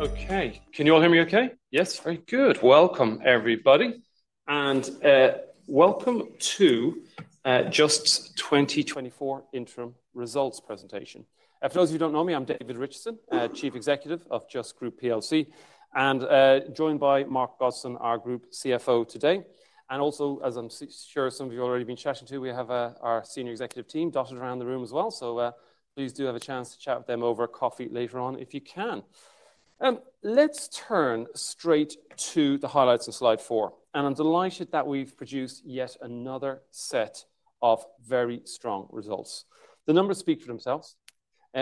Okay. Can you all hear me okay? Yes, very good. Welcome, everybody, and welcome to Just 2024 Interim Results presentation. For those of you who don't know me, I'm David Richardson, Chief Executive of Just Group PLC, and joined by Mark Godson, our Group CFO today. Also, as I'm sure some of you have already been chatting to, we have our senior executive team dotted around the room as well. Please do have a chance to chat with them over coffee later on if you can. Let's turn straight to the highlights on slide 4, and I'm delighted that we've produced yet another set of very strong results. The numbers speak for themselves.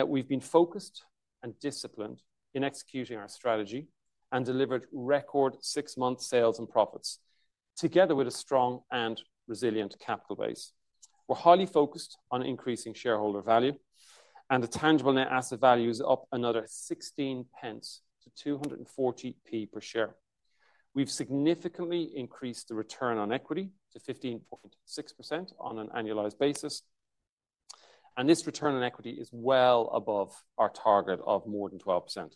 We've been focused and disciplined in executing our strategy and delivered record six-month sales and profits, together with a strong and resilient capital base. We're highly focused on increasing shareholder value, and the tangible net asset value is up another 16 pence to 240p per share. We've significantly increased the return on equity to 15.6% on an annualized basis, and this return on equity is well above our target of more than 12%.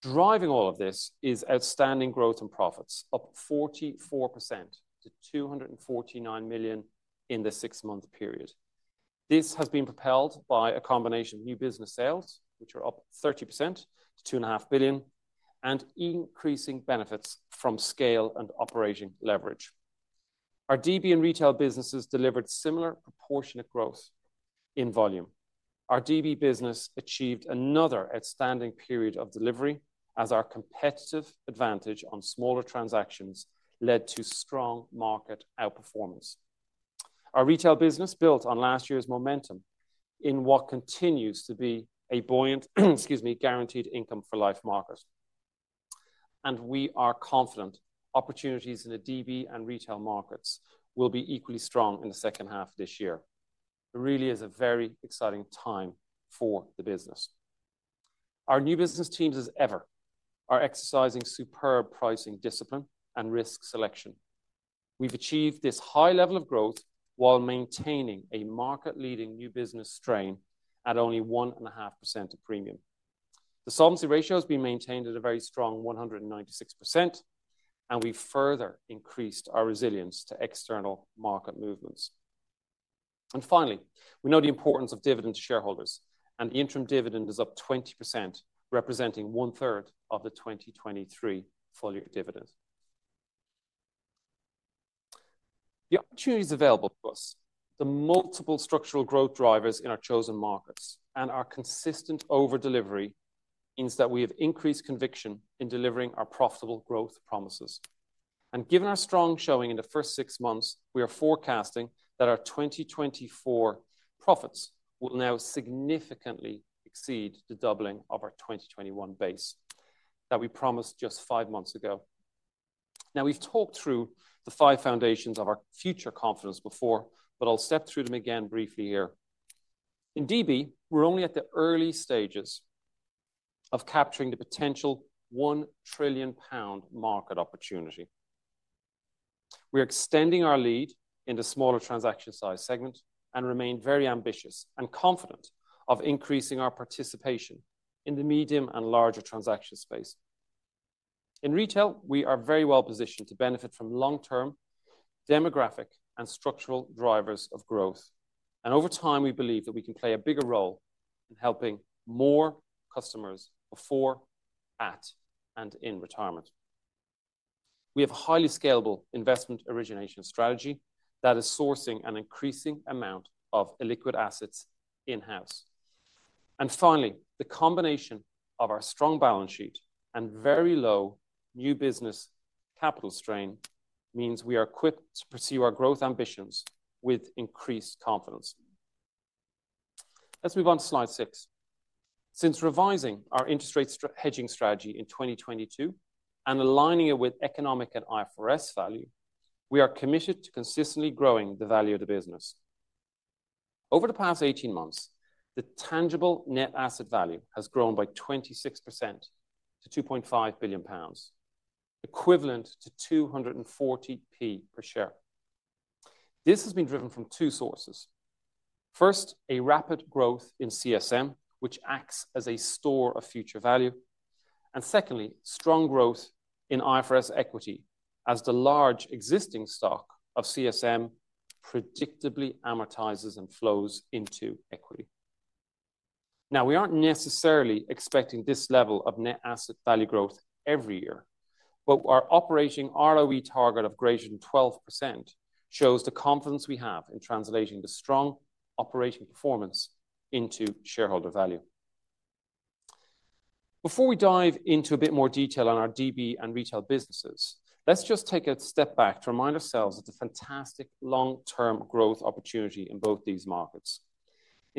Driving all of this is outstanding growth in profits, up 44% to 249 million in the six-month period. This has been propelled by a combination of new business sales, which are up 30% to 2.5 billion, and increasing benefits from scale and operating leverage. Our DB and retail businesses delivered similar proportionate growth in volume. Our DB business achieved another outstanding period of delivery as our competitive advantage on smaller transactions led to strong market outperformance. Our retail business built on last year's momentum in what continues to be a buoyant, excuse me, guaranteed income for life market. And we are confident opportunities in the DB and retail markets will be equally strong in the second half of this year. It really is a very exciting time for the business. Our new business teams, as ever, are exercising superb pricing discipline and risk selection. We've achieved this high level of growth while maintaining a market-leading new business strain at only 1.5% of premium. The solvency ratio has been maintained at a very strong 196%, and we further increased our resilience to external market movements. And finally, we know the importance of dividend to shareholders, and the interim dividend is up 20%, representing 1/3 of the 2023 full year dividend. The opportunities available to us, the multiple structural growth drivers in our chosen markets, and our consistent over-delivery means that we have increased conviction in delivering our profitable growth promises. Given our strong showing in the first six months, we are forecasting that our 2024 profits will now significantly exceed the doubling of our 2021 base that we promised just five months ago. Now, we've talked through the five foundations of our future confidence before, but I'll step through them again briefly here. In DB, we're only at the early stages of capturing the potential 1 trillion pound market opportunity. We are extending our lead in the smaller transaction size segment and remain very ambitious and confident of increasing our participation in the medium and larger transaction space. In retail, we are very well positioned to benefit from long-term demographic and structural drivers of growth, and over time, we believe that we can play a bigger role in helping more customers before, at, and in retirement. We have a highly scalable investment origination strategy that is sourcing an increasing amount of illiquid assets in-house. And finally, the combination of our strong balance sheet and very low new business capital strain means we are equipped to pursue our growth ambitions with increased confidence. Let's move on to slide 6. Since revising our interest rate hedging strategy in 2022 and aligning it with economic and IFRS value, we are committed to consistently growing the value of the business. Over the past 18 months, the tangible net asset value has grown by 26% to 2.5 billion pounds, equivalent to 240p per share. This has been driven from two sources. First, a rapid growth in CSM, which acts as a store of future value, and secondly, strong growth in IFRS equity as the large existing stock of CSM predictably amortizes and flows into equity. Now, we aren't necessarily expecting this level of net asset value growth every year, but our operating ROE target of greater than 12% shows the confidence we have in translating the strong operating performance into shareholder value. Before we dive into a bit more detail on our DB and retail businesses, let's just take a step back to remind ourselves of the fantastic long-term growth opportunity in both these markets.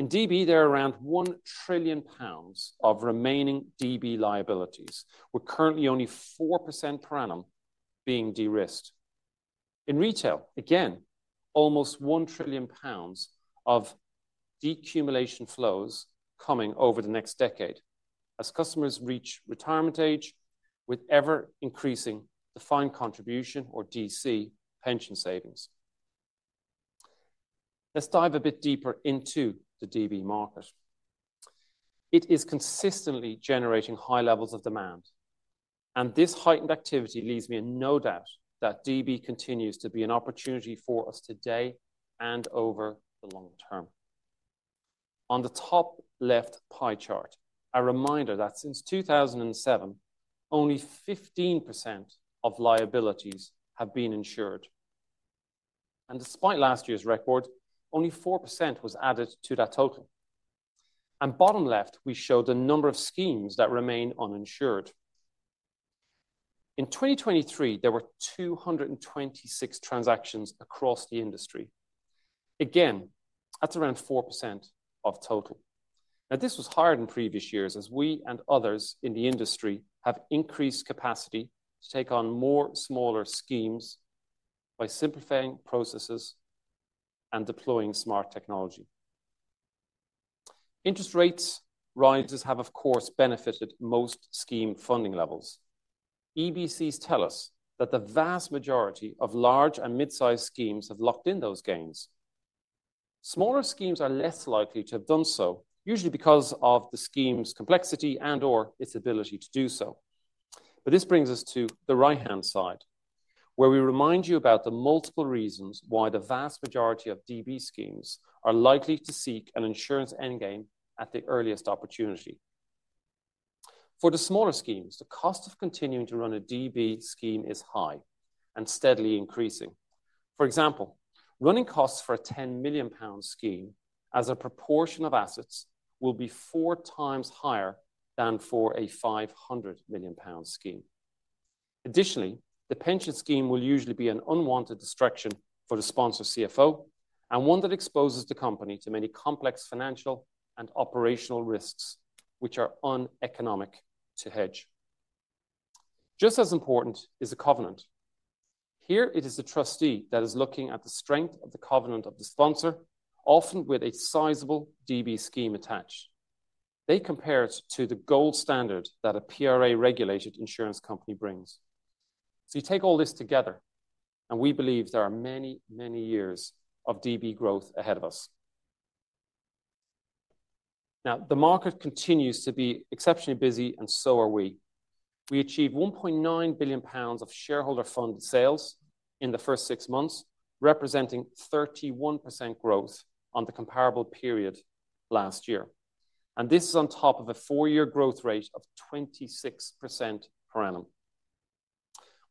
In DB, there are around 1 trillion pounds of remaining DB liabilities, with currently only 4% per annum being de-risked. In retail, again, almost 1 trillion pounds of decumulation flows coming over the next decade as customers reach retirement age with ever-increasing defined contribution or DC pension savings... Let's dive a bit deeper into the DB market. It is consistently generating high levels of demand, and this heightened activity leaves me in no doubt that DB continues to be an opportunity for us today and over the long term. On the top left pie chart, a reminder that since 2007, only 15% of liabilities have been insured, and despite last year's record, only 4% was added to that total. And bottom left, we show the number of schemes that remain uninsured. In 2023, there were 226 transactions across the industry. Again, that's around 4% of total. Now, this was higher than previous years, as we and others in the industry have increased capacity to take on more smaller schemes by simplifying processes and deploying smart technology. Interest rates rises have, of course, benefited most scheme funding levels. EBCs tell us that the vast majority of large and mid-sized schemes have locked in those gains. Smaller schemes are less likely to have done so, usually because of the scheme's complexity and/or its ability to do so. But this brings us to the right-hand side, where we remind you about the multiple reasons why the vast majority of DB schemes are likely to seek an insurance endgame at the earliest opportunity. For the smaller schemes, the cost of continuing to run a DB scheme is high and steadily increasing. For example, running costs for a 10 million pound scheme as a proportion of assets will be 4 times higher than for a 500 million pound scheme. Additionally, the pension scheme will usually be an unwanted distraction for the sponsor CFO and one that exposes the company to many complex financial and operational risks, which are uneconomic to hedge. Just as important is the covenant. Here it is the trustee that is looking at the strength of the covenant of the sponsor, often with a sizable DB scheme attached. They compare it to the gold standard that a PRA-regulated insurance company brings. So you take all this together, and we believe there are many, many years of DB growth ahead of us. Now, the market continues to be exceptionally busy, and so are we. We achieved 1.9 billion pounds of shareholder-funded sales in the first six months, representing 31% growth on the comparable period last year, and this is on top of a 4-year growth rate of 26% per annum.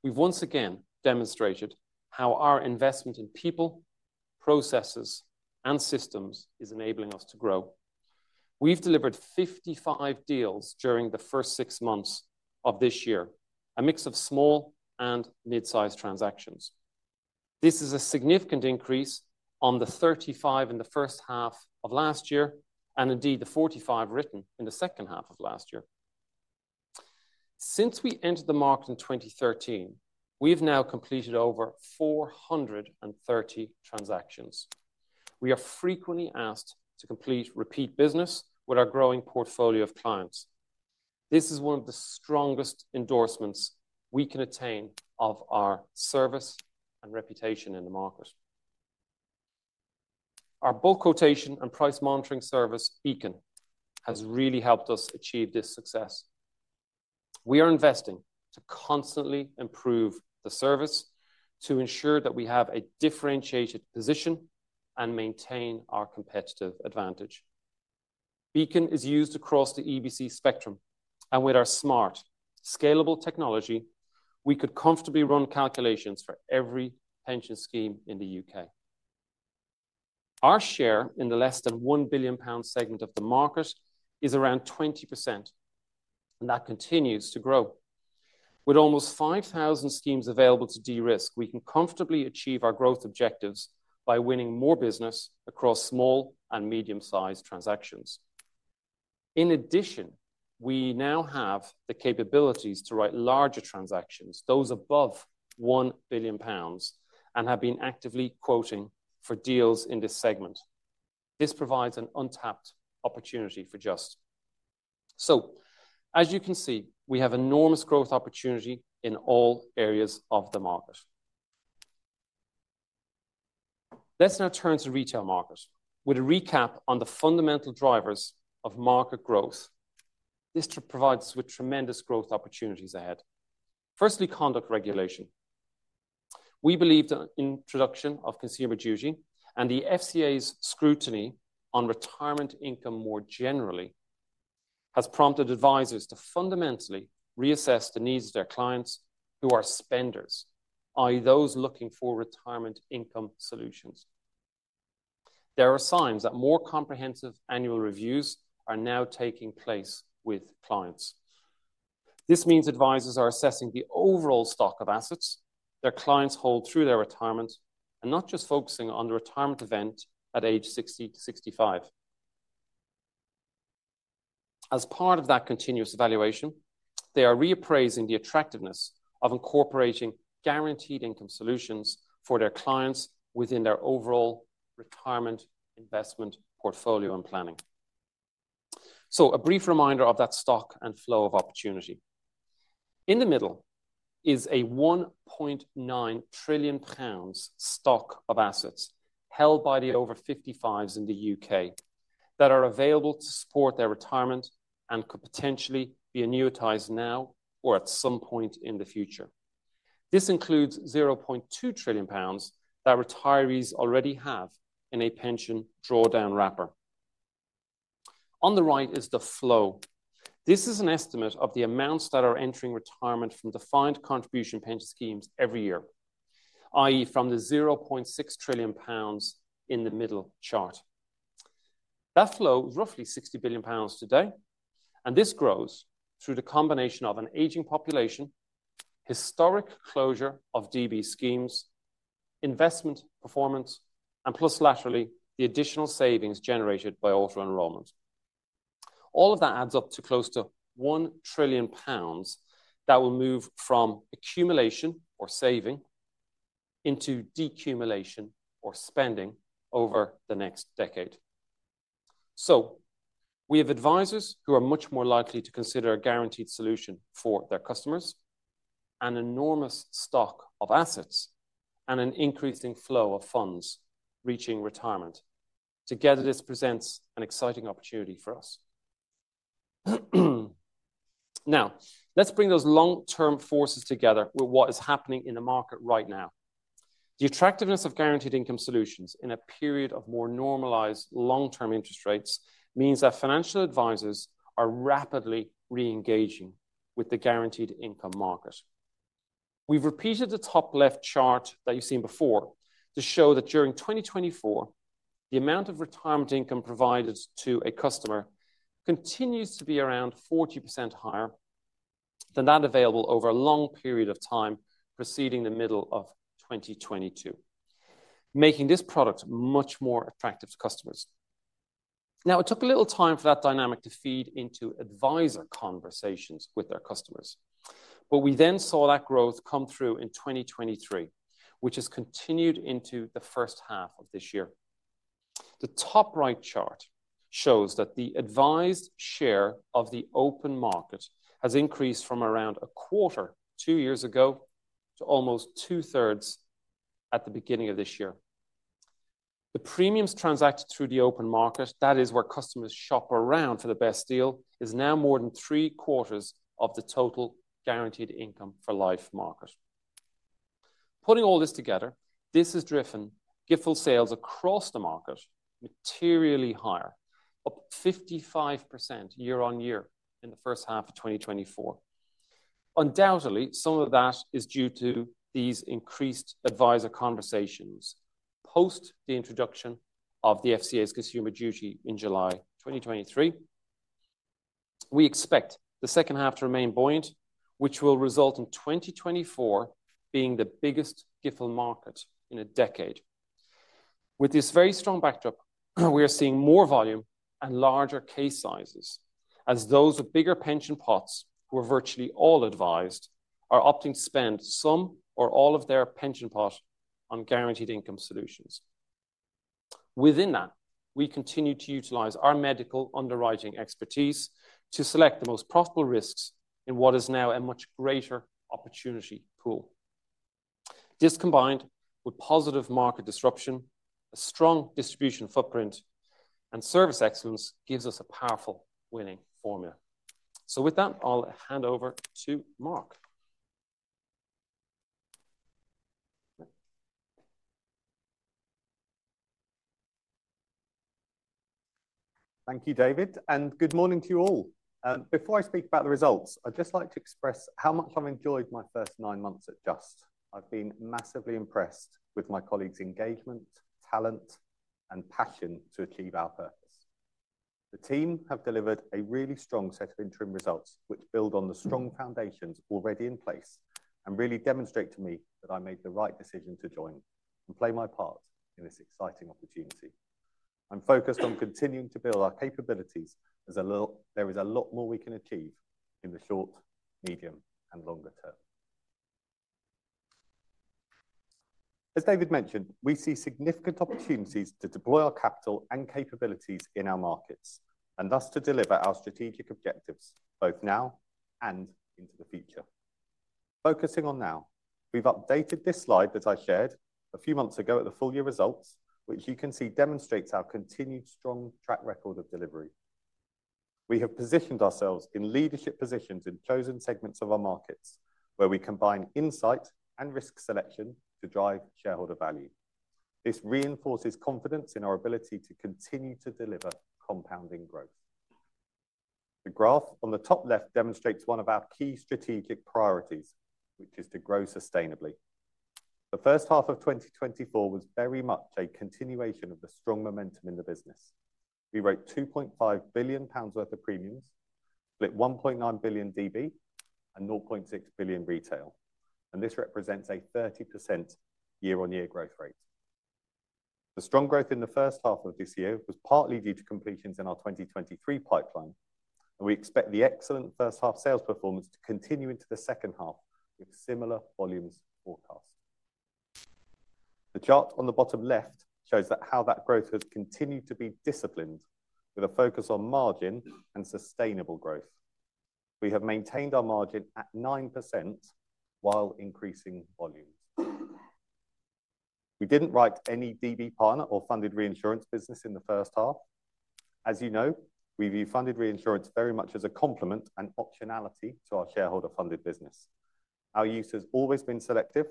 We've once again demonstrated how our investment in people, processes, and systems is enabling us to grow. We've delivered 55 deals during the first six months of this year, a mix of small and mid-sized transactions. This is a significant increase on the 35 in the first half of last year and indeed the 45 written in the second half of last year. Since we entered the market in 2013, we've now completed over 430 transactions. We are frequently asked to complete repeat business with our growing portfolio of clients. This is one of the strongest endorsements we can attain of our service and reputation in the market. Our bulk quotation and price monitoring service, Beacon, has really helped us achieve this success. We are investing to constantly improve the service to ensure that we have a differentiated position and maintain our competitive advantage. Beacon is used across the EBC spectrum, and with our smart, scalable technology, we could comfortably run calculations for every pension scheme in the UK. Our share in the less than 1 billion pound segment of the market is around 20%, and that continues to grow. With almost 5,000 schemes available to de-risk, we can comfortably achieve our growth objectives by winning more business across small and medium-sized transactions. In addition, we now have the capabilities to write larger transactions, those above 1 billion pounds, and have been actively quoting for deals in this segment. This provides an untapped opportunity for Just. As you can see, we have enormous growth opportunity in all areas of the market. Let's now turn to retail market with a recap on the fundamental drivers of market growth. This provides us with tremendous growth opportunities ahead. Firstly, conduct regulation. We believe the introduction of Consumer Duty and the FCA's scrutiny on retirement income more generally, has prompted advisors to fundamentally reassess the needs of their clients who are spenders, i.e., those looking for retirement income solutions. There are signs that more comprehensive annual reviews are now taking place with clients. This means advisors are assessing the overall stock of assets their clients hold through their retirement and not just focusing on the retirement event at age 60 to 65. As part of that continuous evaluation, they are reappraising the attractiveness of incorporating guaranteed income solutions for their clients within their overall retirement investment portfolio and planning. So a brief reminder of that stock and flow of opportunity. In the middle is a 1.9 trillion pounds stock of assets held by the over 55s in the UK, that are available to support their retirement and could potentially be annuitized now or at some point in the future. This includes 0.2 trillion pounds that retirees already have in a pension drawdown wrapper. On the right is the flow. This is an estimate of the amounts that are entering retirement from defined contribution pension schemes every year, i.e., from the 0.6 trillion pounds in the middle chart. That flow is roughly 60 billion pounds today, and this grows through the combination of an aging population, historic closure of DB schemes, investment performance, and, plus, latterly, the additional savings generated by auto-enrollment. All of that adds up to close to 1 trillion pounds that will move from accumulation or saving, into decumulation or spending over the next decade. So we have advisors who are much more likely to consider a guaranteed solution for their customers, an enormous stock of assets, and an increasing flow of funds reaching retirement. Together, this presents an exciting opportunity for us. Now, let's bring those long-term forces together with what is happening in the market right now. The attractiveness of guaranteed income solutions in a period of more normalized long-term interest rates means that financial advisors are rapidly re-engaging with the guaranteed income market. We've repeated the top left chart that you've seen before to show that during 2024, the amount of retirement income provided to a customer continues to be around 40% higher than that available over a long period of time preceding the middle of 2022, making this product much more attractive to customers. Now, it took a little time for that dynamic to feed into advisor conversations with their customers, but we then saw that growth come through in 2023, which has continued into the first half of this year. The top right chart shows that the advised share of the open market has increased from around a quarter two years ago, to almost two-thirds at the beginning of this year. The premiums transacted through the open market, that is where customers shop around for the best deal, is now more than three-quarters of the total guaranteed income for life market. Putting all this together, this has driven GIFL sales across the market materially higher, up 55% year-on-year in the first half of 2024. Undoubtedly, some of that is due to these increased advisor conversations post the introduction of the FCA's Consumer Duty in July 2023. We expect the second half to remain buoyant, which will result in 2024 being the biggest GIFL market in a decade. With this very strong backdrop, we are seeing more volume and larger case sizes, as those with bigger pension pots, who are virtually all advised, are opting to spend some or all of their pension pot on guaranteed income solutions. Within that, we continue to utilize our medical underwriting expertise to select the most profitable risks in what is now a much greater opportunity pool. This, combined with positive market disruption, a strong distribution footprint, and service excellence, gives us a powerful winning formula. With that, I'll hand over to Mark. Thank you, David, and good morning to you all. Before I speak about the results, I'd just like to express how much I've enjoyed my first nine months at Just. I've been massively impressed with my colleagues' engagement, talent, and passion to achieve our purpose. The team have delivered a really strong set of interim results, which build on the strong foundations already in place and really demonstrate to me that I made the right decision to join and play my part in this exciting opportunity. I'm focused on continuing to build our capabilities, as there is a lot more we can achieve in the short, medium, and longer term. As David mentioned, we see significant opportunities to deploy our capital and capabilities in our markets, and thus to deliver our strategic objectives both now and into the future. Focusing on now, we've updated this slide that I shared a few months ago at the full year results, which you can see demonstrates our continued strong track record of delivery. We have positioned ourselves in leadership positions in chosen segments of our markets, where we combine insight and risk selection to drive shareholder value. This reinforces confidence in our ability to continue to deliver compounding growth. The graph on the top left demonstrates one of our key strategic priorities, which is to grow sustainably. The first half of 2024 was very much a continuation of the strong momentum in the business. We wrote 2.5 billion pounds worth of premiums, split 1.9 billion DB and 0.6 billion retail, and this represents a 30% year-on-year growth rate. The strong growth in the first half of this year was partly due to completions in our 2023 pipeline, and we expect the excellent first half sales performance to continue into the second half, with similar volumes forecast. The chart on the bottom left shows that how that growth has continued to be disciplined, with a focus on margin and sustainable growth. We have maintained our margin at 9% while increasing volumes. We didn't write any DB partner or funded reinsurance business in the first half. As you know, we view funded reinsurance very much as a complement and optionality to our shareholder-funded business. Our use has always been selective,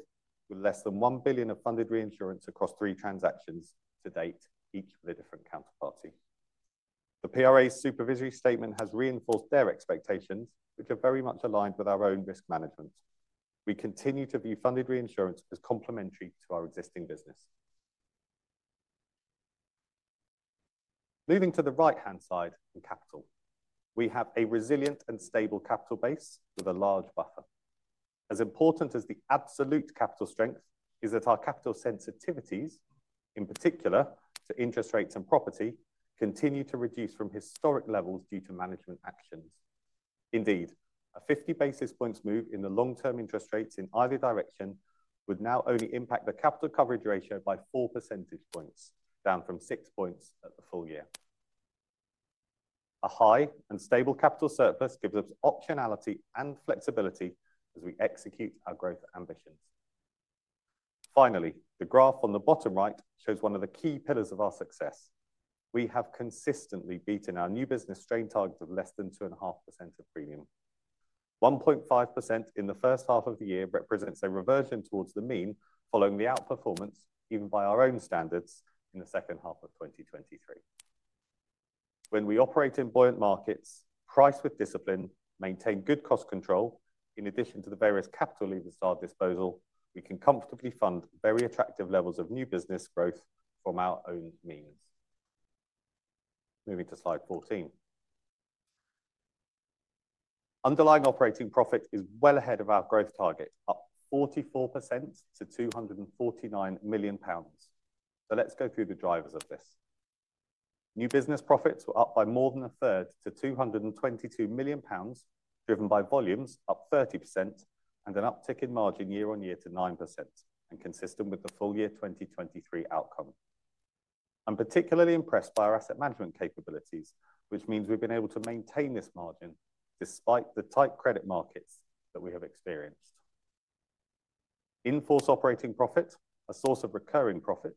with less than 1 billion of funded reinsurance across three transactions to date, each with a different counterparty. The PRA's supervisory statement has reinforced their expectations, which are very much aligned with our own risk management. We continue to view funded reinsurance as complementary to our existing business. Moving to the right-hand side, in capital. We have a resilient and stable capital base with a large buffer. As important as the absolute capital strength is that our capital sensitivities, in particular to interest rates and property, continue to reduce from historic levels due to management actions. Indeed, a 50 basis points move in the long-term interest rates in either direction would now only impact the capital coverage ratio by 4 percentage points, down from 6 points at the full year. A high and stable capital surplus gives us optionality and flexibility as we execute our growth ambitions. Finally, the graph on the bottom right shows one of the key pillars of our success. We have consistently beaten our new business strain target of less than 2.5% of premium. 1.5% in the first half of the year represents a reversion towards the mean, following the outperformance, even by our own standards, in the second half of 2023. When we operate in buoyant markets, price with discipline, maintain good cost control, in addition to the various capital levers at our disposal, we can comfortably fund very attractive levels of new business growth from our own means. Moving to slide 14. Underlying operating profit is well ahead of our growth target, up 44% to 249 million pounds. So let's go through the drivers of this. New business profits were up by more than a third to 222 million pounds, driven by volumes up 30% and an uptick in margin year on year to 9%, and consistent with the full year 2023 outcome. I'm particularly impressed by our asset management capabilities, which means we've been able to maintain this margin despite the tight credit markets that we have experienced. In-force operating profit, a source of recurring profit,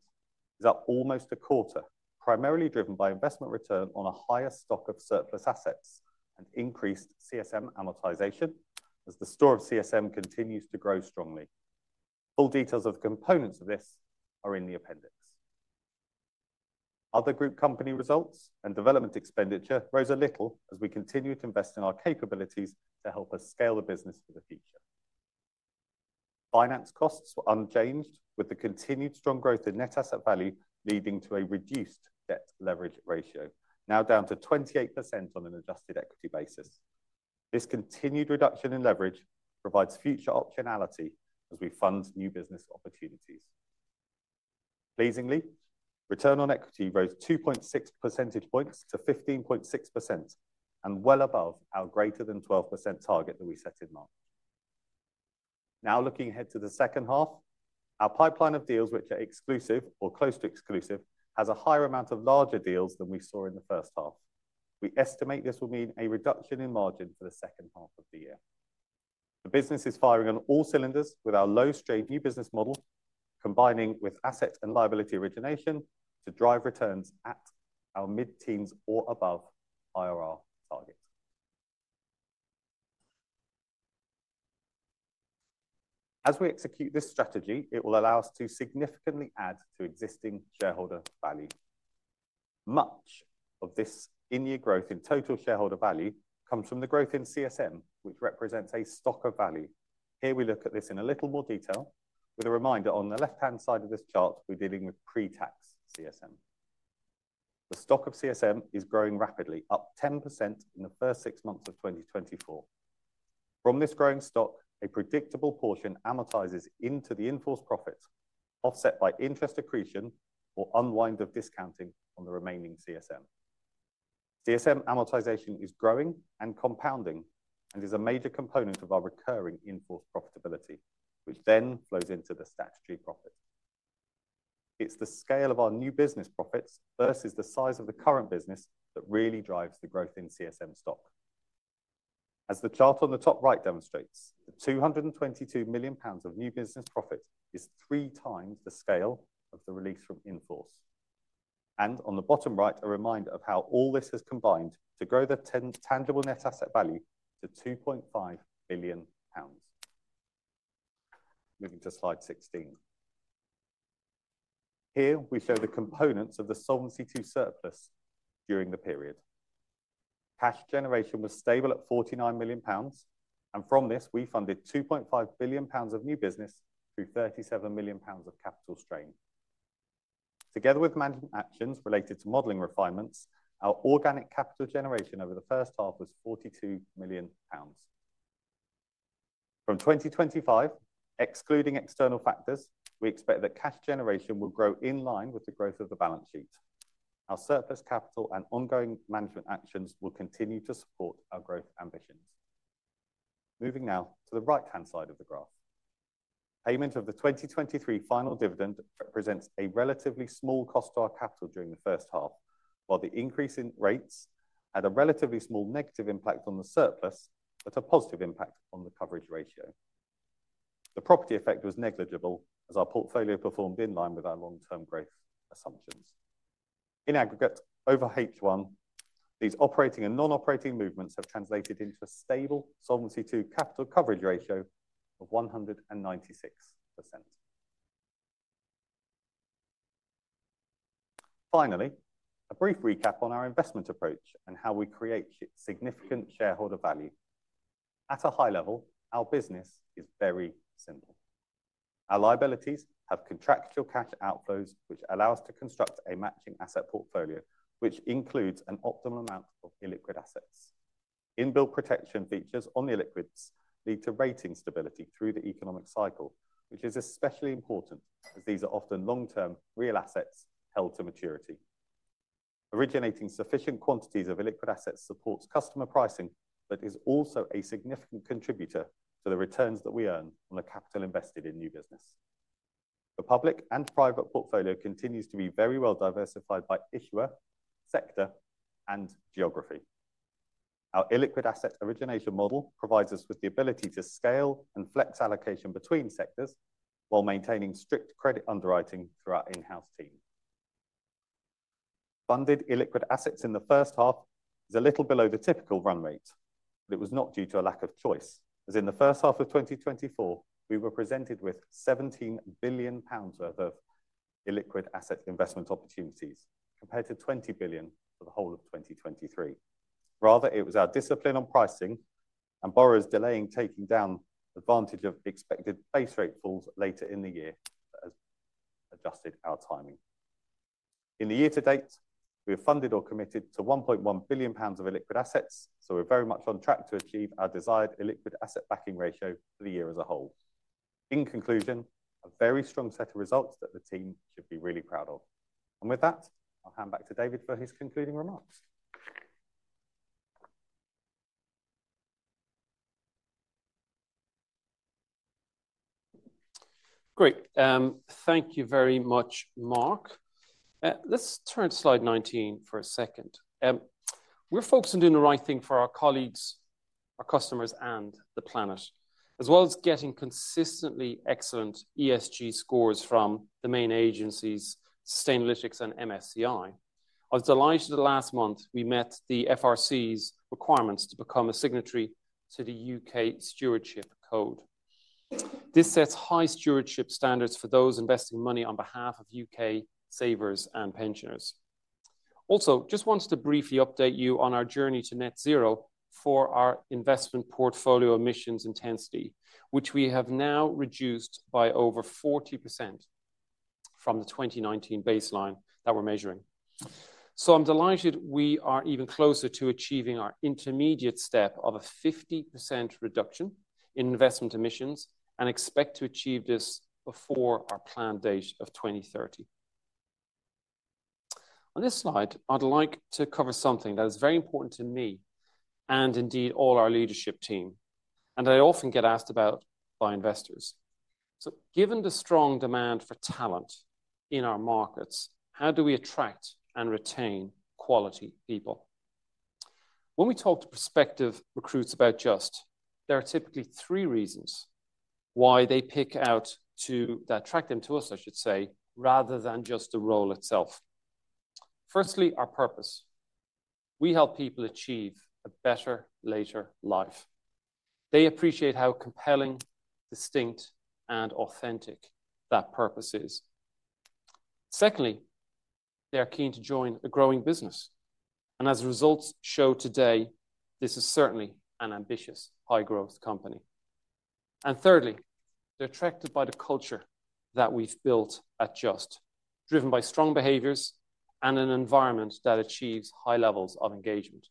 is up almost a quarter, primarily driven by investment return on a higher stock of surplus assets and increased CSM amortization, as the store of CSM continues to grow strongly. Full details of the components of this are in the appendix. Other group company results and development expenditure rose a little as we continued to invest in our capabilities to help us scale the business for the future. Finance costs were unchanged, with the continued strong growth in net asset value leading to a reduced debt leverage ratio, now down to 28% on an adjusted equity basis. This continued reduction in leverage provides future optionality as we fund new business opportunities. Pleasingly, return on equity rose 2.6 percentage points to 15.6% and well above our greater than 12% target that we set in March. Now, looking ahead to the second half, our pipeline of deals, which are exclusive or close to exclusive, has a higher amount of larger deals than we saw in the first half. We estimate this will mean a reduction in margin for the second half of the year. The business is firing on all cylinders with our low strain new business model, combining with asset and liability origination to drive returns at our mid-teens or above IRR target. As we execute this strategy, it will allow us to significantly add to existing shareholder value. Much of this in-year growth in total shareholder value comes from the growth in CSM, which represents a stock of value. Here we look at this in a little more detail with a reminder on the left-hand side of this chart, we're dealing with pre-tax CSM. The stock of CSM is growing rapidly, up 10% in the first six months of 2024. From this growing stock, a predictable portion amortizes into the in-force profit, offset by interest accretion or unwind of discounting on the remaining CSM. CSM amortization is growing and compounding and is a major component of our recurring in-force profitability, which then flows into the statutory profit. It's the scale of our new business profits versus the size of the current business that really drives the growth in CSM stock. As the chart on the top right demonstrates, the 222 million pounds of new business profit is three times the scale of the release from in-force. On the bottom right, a reminder of how all this has combined to grow the tangible net asset value to 2.5 billion pounds. Moving to slide 16. Here, we show the components of the Solvency II surplus during the period. Cash generation was stable at 49 million pounds, and from this, we funded 2.5 billion pounds of new business through 37 million pounds of capital strain. Together with management actions related to modeling refinements, our organic capital generation over the first half was 42 million pounds. From 2025, excluding external factors, we expect that cash generation will grow in line with the growth of the balance sheet. Our surplus capital and ongoing management actions will continue to support our growth ambitions. Moving now to the right-hand side of the graph. Payment of the 2023 final dividend represents a relatively small cost to our capital during the first half, while the increase in rates had a relatively small negative impact on the surplus, but a positive impact on the coverage ratio. The property effect was negligible, as our portfolio performed in line with our long-term growth assumptions. In aggregate, over H1, these operating and non-operating movements have translated into a stable Solvency II capital coverage ratio of 196%. Finally, a brief recap on our investment approach and how we create significant shareholder value. At a high level, our business is very simple. Our liabilities have contractual cash outflows, which allow us to construct a matching asset portfolio, which includes an optimal amount of illiquid assets. Inbuilt protection features on illiquids lead to rating stability through the economic cycle, which is especially important, as these are often long-term real assets held to maturity. Originating sufficient quantities of illiquid assets supports customer pricing, but is also a significant contributor to the returns that we earn on the capital invested in new business. The public and private portfolio continues to be very well diversified by issuer, sector, and geography. Our illiquid asset origination model provides us with the ability to scale and flex allocation between sectors while maintaining strict credit underwriting through our in-house team. Funded illiquid assets in the first half is a little below the typical run rate, but it was not due to a lack of choice, as in the first half of 2024, we were presented with 17 billion pounds worth of illiquid asset investment opportunities, compared to 20 billion for the whole of 2023. Rather, it was our discipline on pricing and borrowers delaying taking down advantage of the expected base rate falls later in the year that has adjusted our timing. In the year to date, we have funded or committed to 1.1 billion pounds of illiquid assets, so we're very much on track to achieve our desired illiquid asset backing ratio for the year as a whole. In conclusion, a very strong set of results that the team should be really proud of. With that, I'll hand back to David for his concluding remarks. Great. Thank you very much, Mark. Let's turn to slide 19 for a second. We're focused on doing the right thing for our colleagues, our customers, and the planet, as well as getting consistently excellent ESG scores from the main agencies, Sustainalytics and MSCI. I was delighted that last month we met the FRC's requirements to become a signatory to the U.K. Stewardship Code. This sets high stewardship standards for those investing money on behalf of U.K. savers and pensioners. Also, just wanted to briefly update you on our journey to net zero for our investment portfolio emissions intensity, which we have now reduced by over 40% from the 2019 baseline that we're measuring. So I'm delighted we are even closer to achieving our intermediate step of a 50% reduction in investment emissions and expect to achieve this before our planned date of 2030. On this slide, I'd like to cover something that is very important to me and indeed all our leadership team, and I often get asked about by investors. So given the strong demand for talent in our markets, how do we attract and retain quality people? When we talk to prospective recruits about Just, there are typically three reasons why that attract them to us, I should say, rather than just the role itself. Firstly, our purpose. We help people achieve a better later life. They appreciate how compelling, distinct, and authentic that purpose is. Secondly, they are keen to join a growing business, and as the results show today, this is certainly an ambitious, high-growth company. And thirdly, they're attracted by the culture that we've built at Just, driven by strong behaviors and an environment that achieves high levels of engagement.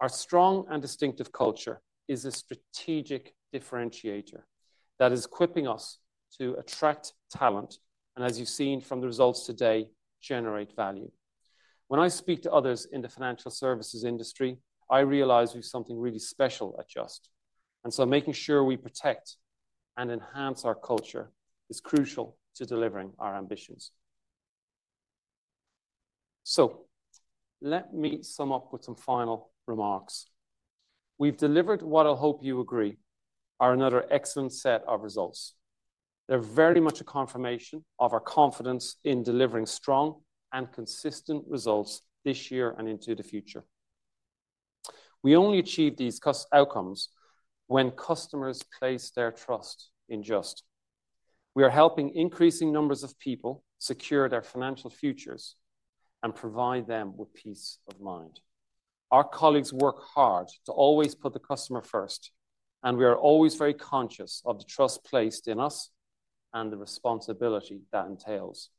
Our strong and distinctive culture is a strategic differentiator that is equipping us to attract talent, and as you've seen from the results today, generate value. When I speak to others in the financial services industry, I realize we've something really special at Just, and so making sure we protect and enhance our culture is crucial to delivering our ambitions. So let me sum up with some final remarks. We've delivered what I hope you agree are another excellent set of results. They're very much a confirmation of our confidence in delivering strong and consistent results this year and into the future. We only achieve these customer outcomes when customers place their trust in Just. We are helping increasing numbers of people secure their financial futures and provide them with peace of mind. Our colleagues work hard to always put the customer first, and we are always very conscious of the trust placed in us and the responsibility that entails.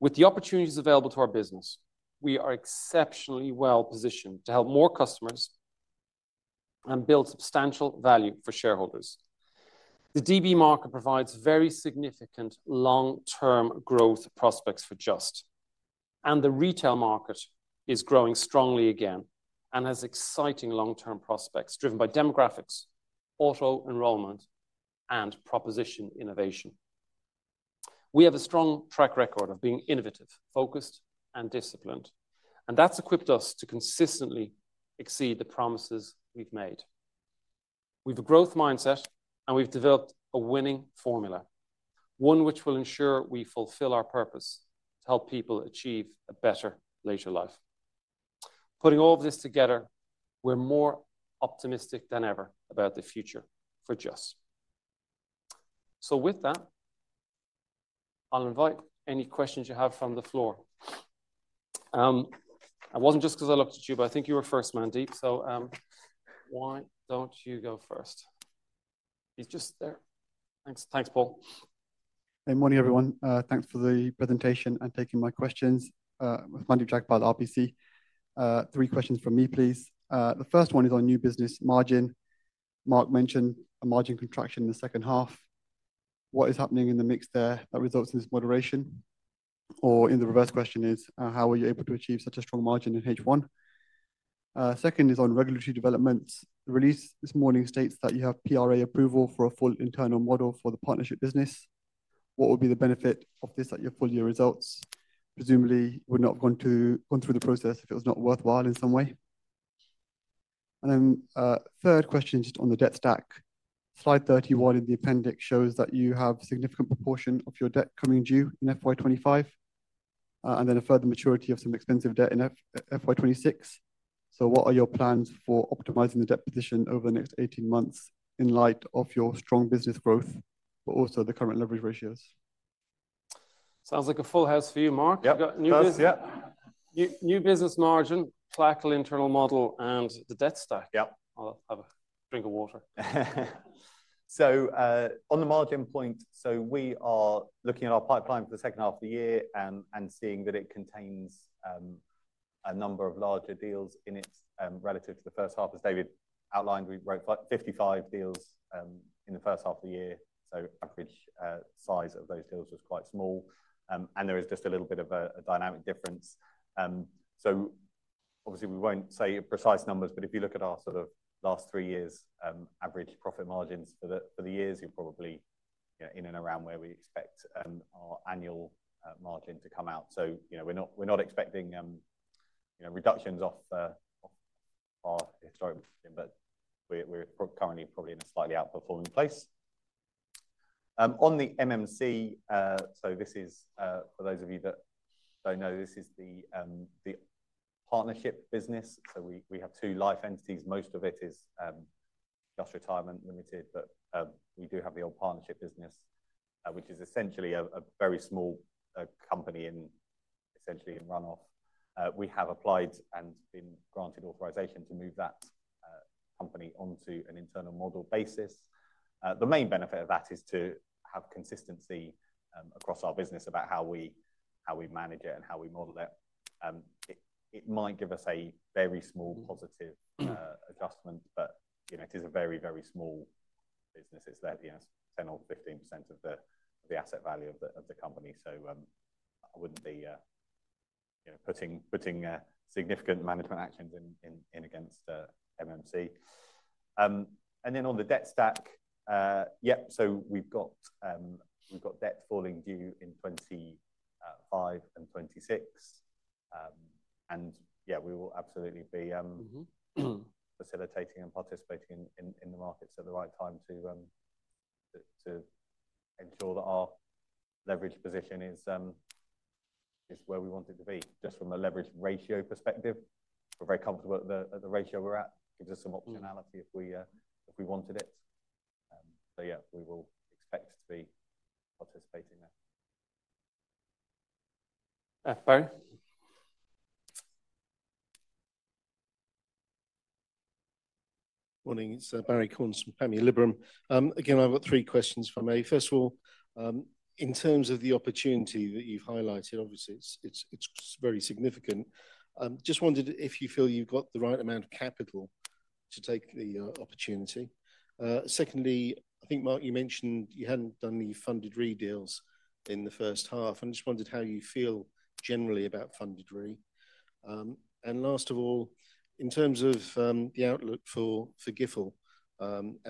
With the opportunities available to our business, we are exceptionally well positioned to help more customers and build substantial value for shareholders.... The DB market provides very significant long-term growth prospects for Just, and the retail market is growing strongly again and has exciting long-term prospects driven by demographics, auto enrollment, and proposition innovation. We have a strong track record of being innovative, focused, and disciplined, and that's equipped us to consistently exceed the promises we've made. We've a growth mindset, and we've developed a winning formula, one which will ensure we fulfill our purpose to help people achieve a better later life. Putting all of this together, we're more optimistic than ever about the future for Just. So with that, I'll invite any questions you have from the floor. It wasn't just 'cause I looked at you, but I think you were first, Mandeep, so, why don't you go first? He's just there. Thanks. Thanks, Paul. Good morning, everyone. Thanks for the presentation and taking my questions. Mandeep Jagpal, RBC. Three questions from me, please. The first one is on new business margin. Mark mentioned a margin contraction in the second half. What is happening in the mix there that results in this moderation? Or in the reverse question is, how were you able to achieve such a strong margin in H1? Second is on regulatory developments. The release this morning states that you have PRA approval for a full internal model for the Partnership business. What would be the benefit of this at your full year results? Presumably, you would not have gone through the process if it was not worthwhile in some way. And then, third question is just on the debt stack. Slide 31 in the appendix shows that you have a significant proportion of your debt coming due in FY 2025, and then a further maturity of some expensive debt in FY 2026. So what are your plans for optimizing the debt position over the next 18 months in light of your strong business growth, but also the current leverage ratios? Sounds like a full house for you, Mark. Yep. You've got new business- Yep. New business margin, clerical internal model, and the debt stack. Yep. I'll have a drink of water. So, on the margin point, so we are looking at our pipeline for the second half of the year and, and seeing that it contains, a number of larger deals in its, relative to the first half. As David outlined, we wrote 55 deals, in the first half of the year, so average, size of those deals was quite small. And there is just a little bit of a, a dynamic difference. So obviously, we won't say precise numbers, but if you look at our sort of last three years', average profit margins for the, for the years, you're probably, in and around where we expect, our annual, margin to come out. So, you know, we're not, we're not expecting, you know, reductions off, off our historic, but we're, we're currently probably in a slightly outperforming place. On the MMC, so this is, for those of you that don't know, this is the, the Partnership business. So we, we have two life entities. Most of it is, Just Retirement Limited, but, we do have the old Partnership business, which is essentially a, a very small, company in, essentially in run off. We have applied and been granted authorization to move that, company onto an internal model basis. The main benefit of that is to have consistency, across our business about how we, how we manage it and how we model it. It might give us a very small, positive adjustment, but, you know, it is a very, very small business. It's there, you know, 10 or 15% of the asset value of the company. So, I wouldn't be, you know, putting significant management actions in against MMC. And then on the debt stack, yep, so we've got debt falling due in 2025 and 2026. And yeah, we will absolutely be, Mm-hmm. facilitating and participating in the markets at the right time to ensure that our leverage position is where we want it to be, just from a leverage ratio perspective. We're very comfortable at the ratio we're at. Gives us some optionality- Mm... if we, if we wanted it. So yeah, we will expect to be participating there. Uh, Barrie? Morning, it's Barrie Cornes from Panmure Liberum. Again, I've got three questions from A. First of all, in terms of the opportunity that you've highlighted, obviously, it's very significant. Just wondered if you feel you've got the right amount of capital to take the opportunity. Secondly, I think, Mark, you mentioned you hadn't done the funded Re deals in the first half, and I just wondered how you feel generally about funded Re. And last of all, in terms of the outlook for GIFL,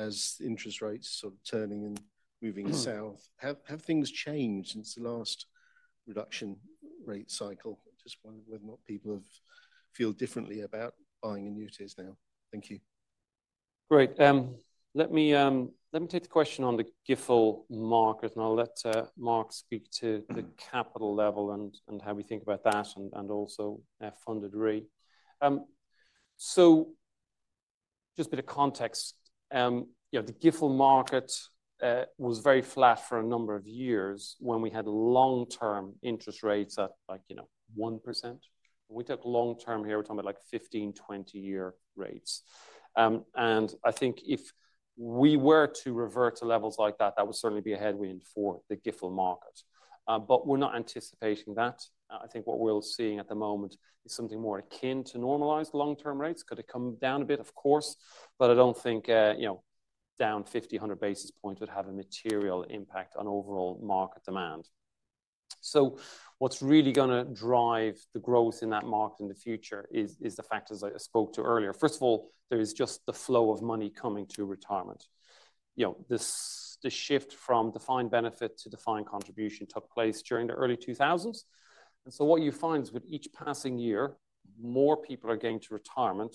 as interest rates sort of turning and moving south- Mm... have things changed since the last reduction rate cycle? Just wondering whether or not people feel differently about buying annuities now. Thank you. Great, let me take the question on the GIFL market, and I'll let Mark speak to the capital level and how we think about that, and also funded Re. So just a bit of context. You know, the GIFL market was very flat for a number of years when we had long-term interest rates at, like, 1%. We talk long term here, we're talking about, like, 15-, 20-year rates. And I think if we were to revert to levels like that, that would certainly be a headwind for the GIFL GIFL market. But we're not anticipating that. I think what we're seeing at the moment is something more akin to normalized long-term rates. Could it come down a bit? Of course, but I don't think, you know, down 50, 100 basis points would have a material impact on overall market demand. So what's really gonna drive the growth in that market in the future is the fact, as I spoke to earlier. First of all, there is just the flow of money coming to retirement. You know, this shift from defined benefit to defined contribution took place during the early 2000s. And so what you find is with each passing year, more people are getting to retirement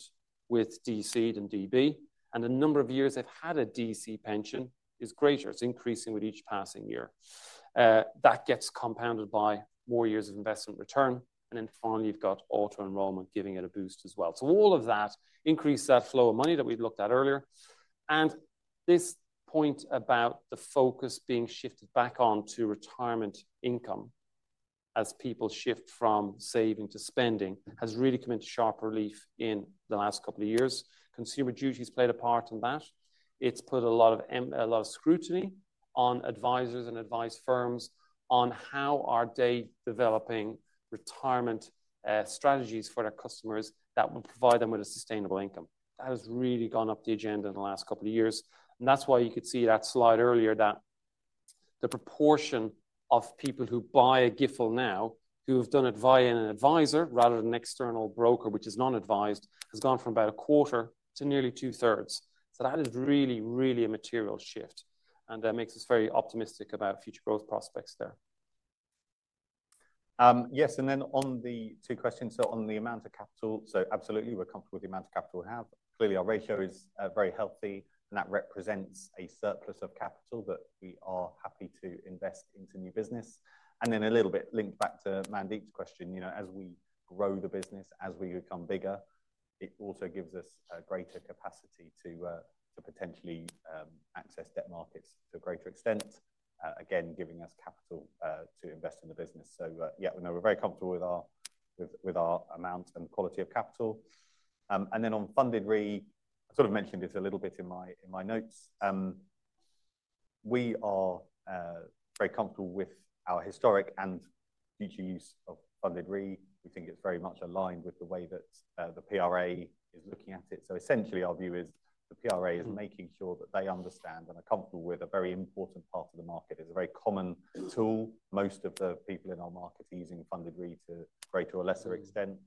with DC than DB, and the number of years they've had a DC pension is greater. It's increasing with each passing year. That gets compounded by more years of investment return, and then finally, you've got auto-enrollment giving it a boost as well. So all of that increase that flow of money that we've looked at earlier, and this point about the focus being shifted back onto retirement income as people shift from saving to spending, has really come into sharp relief in the last couple of years. Consumer Duty's played a part in that. It's put a lot of scrutiny on advisors and advice firms on how are they developing retirement strategies for their customers that will provide them with a sustainable income. That has really gone up the agenda in the last couple of years, and that's why you could see that slide earlier, that the proportion of people who buy a GIFL now, who have done it via an advisor rather than an external broker, which is non-advised, has gone from about a quarter to nearly two-thirds. That is really, really a material shift, and that makes us very optimistic about future growth prospects there. Yes, and then on the two questions, so on the amount of capital, so absolutely, we're comfortable with the amount of capital we have. Clearly, our ratio is very healthy, and that represents a surplus of capital that we are happy to invest into new business. And then a little bit linked back to Mandeep's question, you know, as we grow the business, as we become bigger, it also gives us a greater capacity to potentially access debt markets to a greater extent, again, giving us capital to invest in the business. So, yeah, no, we're very comfortable with our, with, with our amount and quality of capital. And then on funded Re, I sort of mentioned it a little bit in my, in my notes. We are very comfortable with our historic and future use of funded Re. We think it's very much aligned with the way that, the PRA is looking at it. So essentially, our view is the PRA is making sure that they understand and are comfortable with a very important part of the market. It's a very common tool. Most of the people in our market are using funded Re to greater or lesser extent.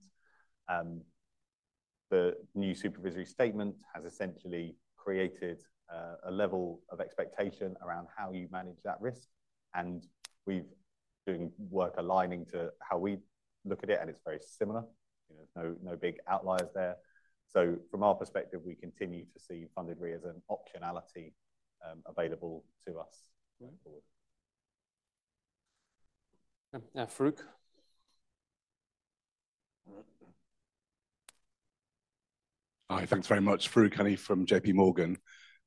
The new supervisory statement has essentially created, a level of expectation around how you manage that risk, and we've doing work aligning to how we look at it, and it's very similar. You know, there's no, no big outliers there. So from our perspective, we continue to see funded Re as an optionality, available to us going forward. Now, Farooq? Hi, thanks very much. Farooq Hanif from JP Morgan.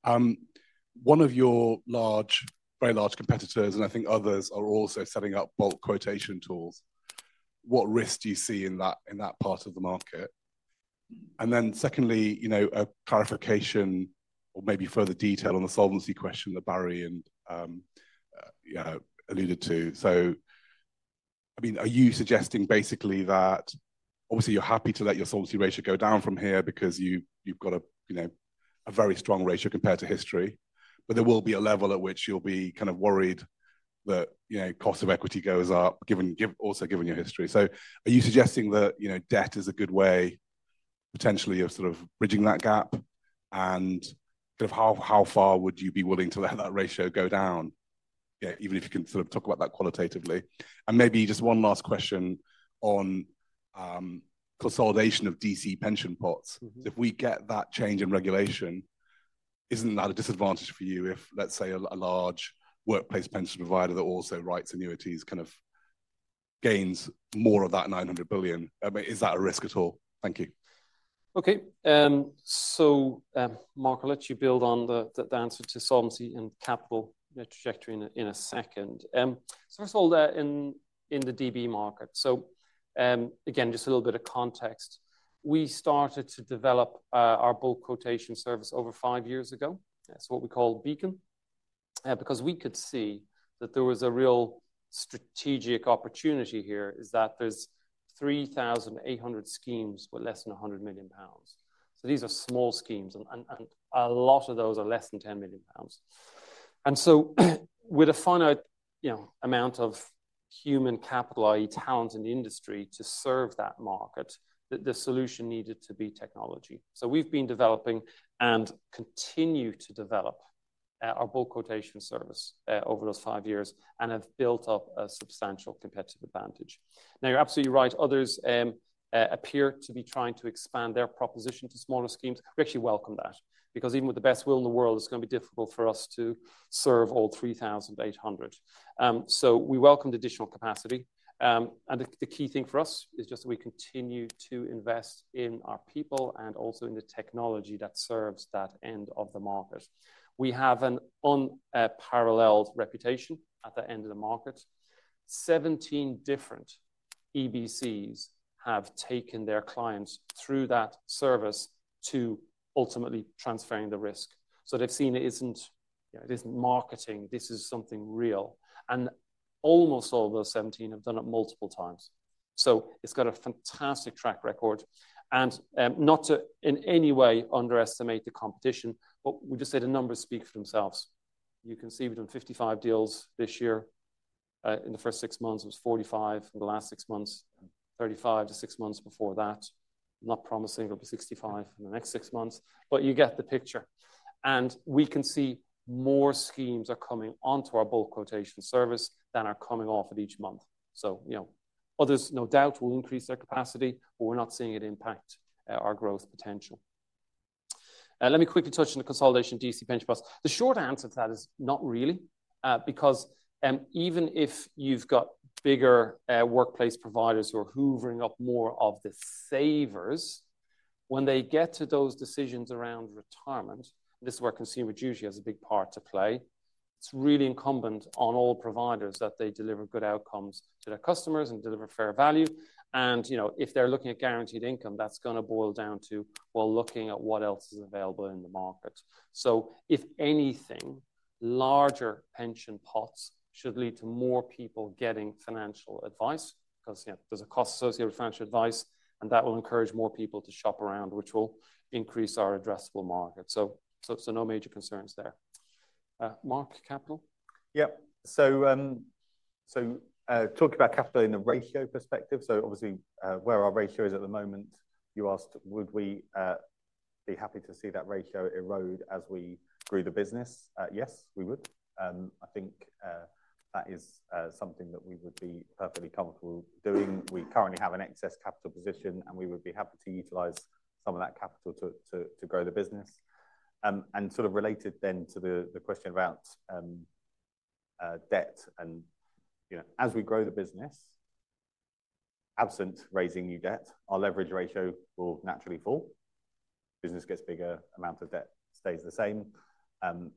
One of your large, very large competitors, and I think others, are also setting up bulk quotation tools. What risk do you see in that, in that part of the market? And then secondly, you know, a clarification or maybe further detail on the solvency question that Barrie and, you know, alluded to. So, I mean, are you suggesting basically that obviously you're happy to let your solvency ratio go down from here because you, you've got a, you know, a very strong ratio compared to history, but there will be a level at which you'll be kind of worried that, you know, cost of equity goes up, given, also given your history. So are you suggesting that, you know, debt is a good way, potentially of sort of bridging that gap? Kind of how, how far would you be willing to let that ratio go down? Yeah, even if you can sort of talk about that qualitatively. Maybe just one last question on, consolidation of DC pension pots. Mm-hmm. If we get that change in regulation, isn't that a disadvantage for you if, let's say, a large workplace pension provider that also writes annuities kind of gains more of that 900 billion? I mean, is that a risk at all? Thank you. Okay, so Mark, I'll let you build on the answer to solvency and capital trajectory in a second. So first of all, in the DB market. So again, just a little bit of context. We started to develop our bulk quotation service over five years ago. That's what we call Beacon. Because we could see that there was a real strategic opportunity here, is that there's 3,800 schemes with less than 100 million pounds. So these are small schemes, and a lot of those are less than 10 million pounds. And so with a finite, you know, amount of human capital, i.e., talent in the industry, to serve that market, the solution needed to be technology. So we've been developing and continue to develop our bulk quotation service over those five years and have built up a substantial competitive advantage. Now, you're absolutely right. Others appear to be trying to expand their proposition to smaller schemes. We actually welcome that, because even with the best will in the world, it's gonna be difficult for us to serve all 3,800. So we welcomed additional capacity, and the key thing for us is just that we continue to invest in our people and also in the technology that serves that end of the market. We have an unparalleled reputation at that end of the market. 17 different EBCs have taken their clients through that service to ultimately transferring the risk. So they've seen it isn't, you know, it isn't marketing, this is something real, and almost all those 17 have done it multiple times. So it's got a fantastic track record, and not to in any way underestimate the competition, but we just say the numbers speak for themselves. You can see we've done 55 deals this year. In the first six months, it was 45, in the last six months, 35, the six months before that. I'm not promising it'll be 65 in the next six months, but you get the picture. And we can see more schemes are coming onto our bulk quotation service than are coming off it each month. So, you know, others, no doubt, will increase their capacity, but we're not seeing it impact our growth potential. Let me quickly touch on the consolidation DC pension pots. The short answer to that is not really, because even if you've got bigger workplace providers who are hoovering up more of the savers, when they get to those decisions around retirement, this is where Consumer Duty has a big part to play. It's really incumbent on all providers that they deliver good outcomes to their customers and deliver fair value, and, you know, if they're looking at guaranteed income, that's gonna boil down to, well, looking at what else is available in the market. So if anything, larger pension pots should lead to more people getting financial advice, 'cause, you know, there's a cost associated with financial advice, and that will encourage more people to shop around, which will increase our addressable market. So no major concerns there. Mark, capital? Yep. Talking about capital in the ratio perspective, so obviously, where our ratio is at the moment, you asked, would we be happy to see that ratio erode as we grew the business? Yes, we would. I think that is something that we would be perfectly comfortable doing. We currently have an excess capital position, and we would be happy to utilize some of that capital to grow the business. And sort of related then to the question about debt and, you know, as we grow the business, absent raising new debt, our leverage ratio will naturally fall. Business gets bigger, amount of debt stays the same.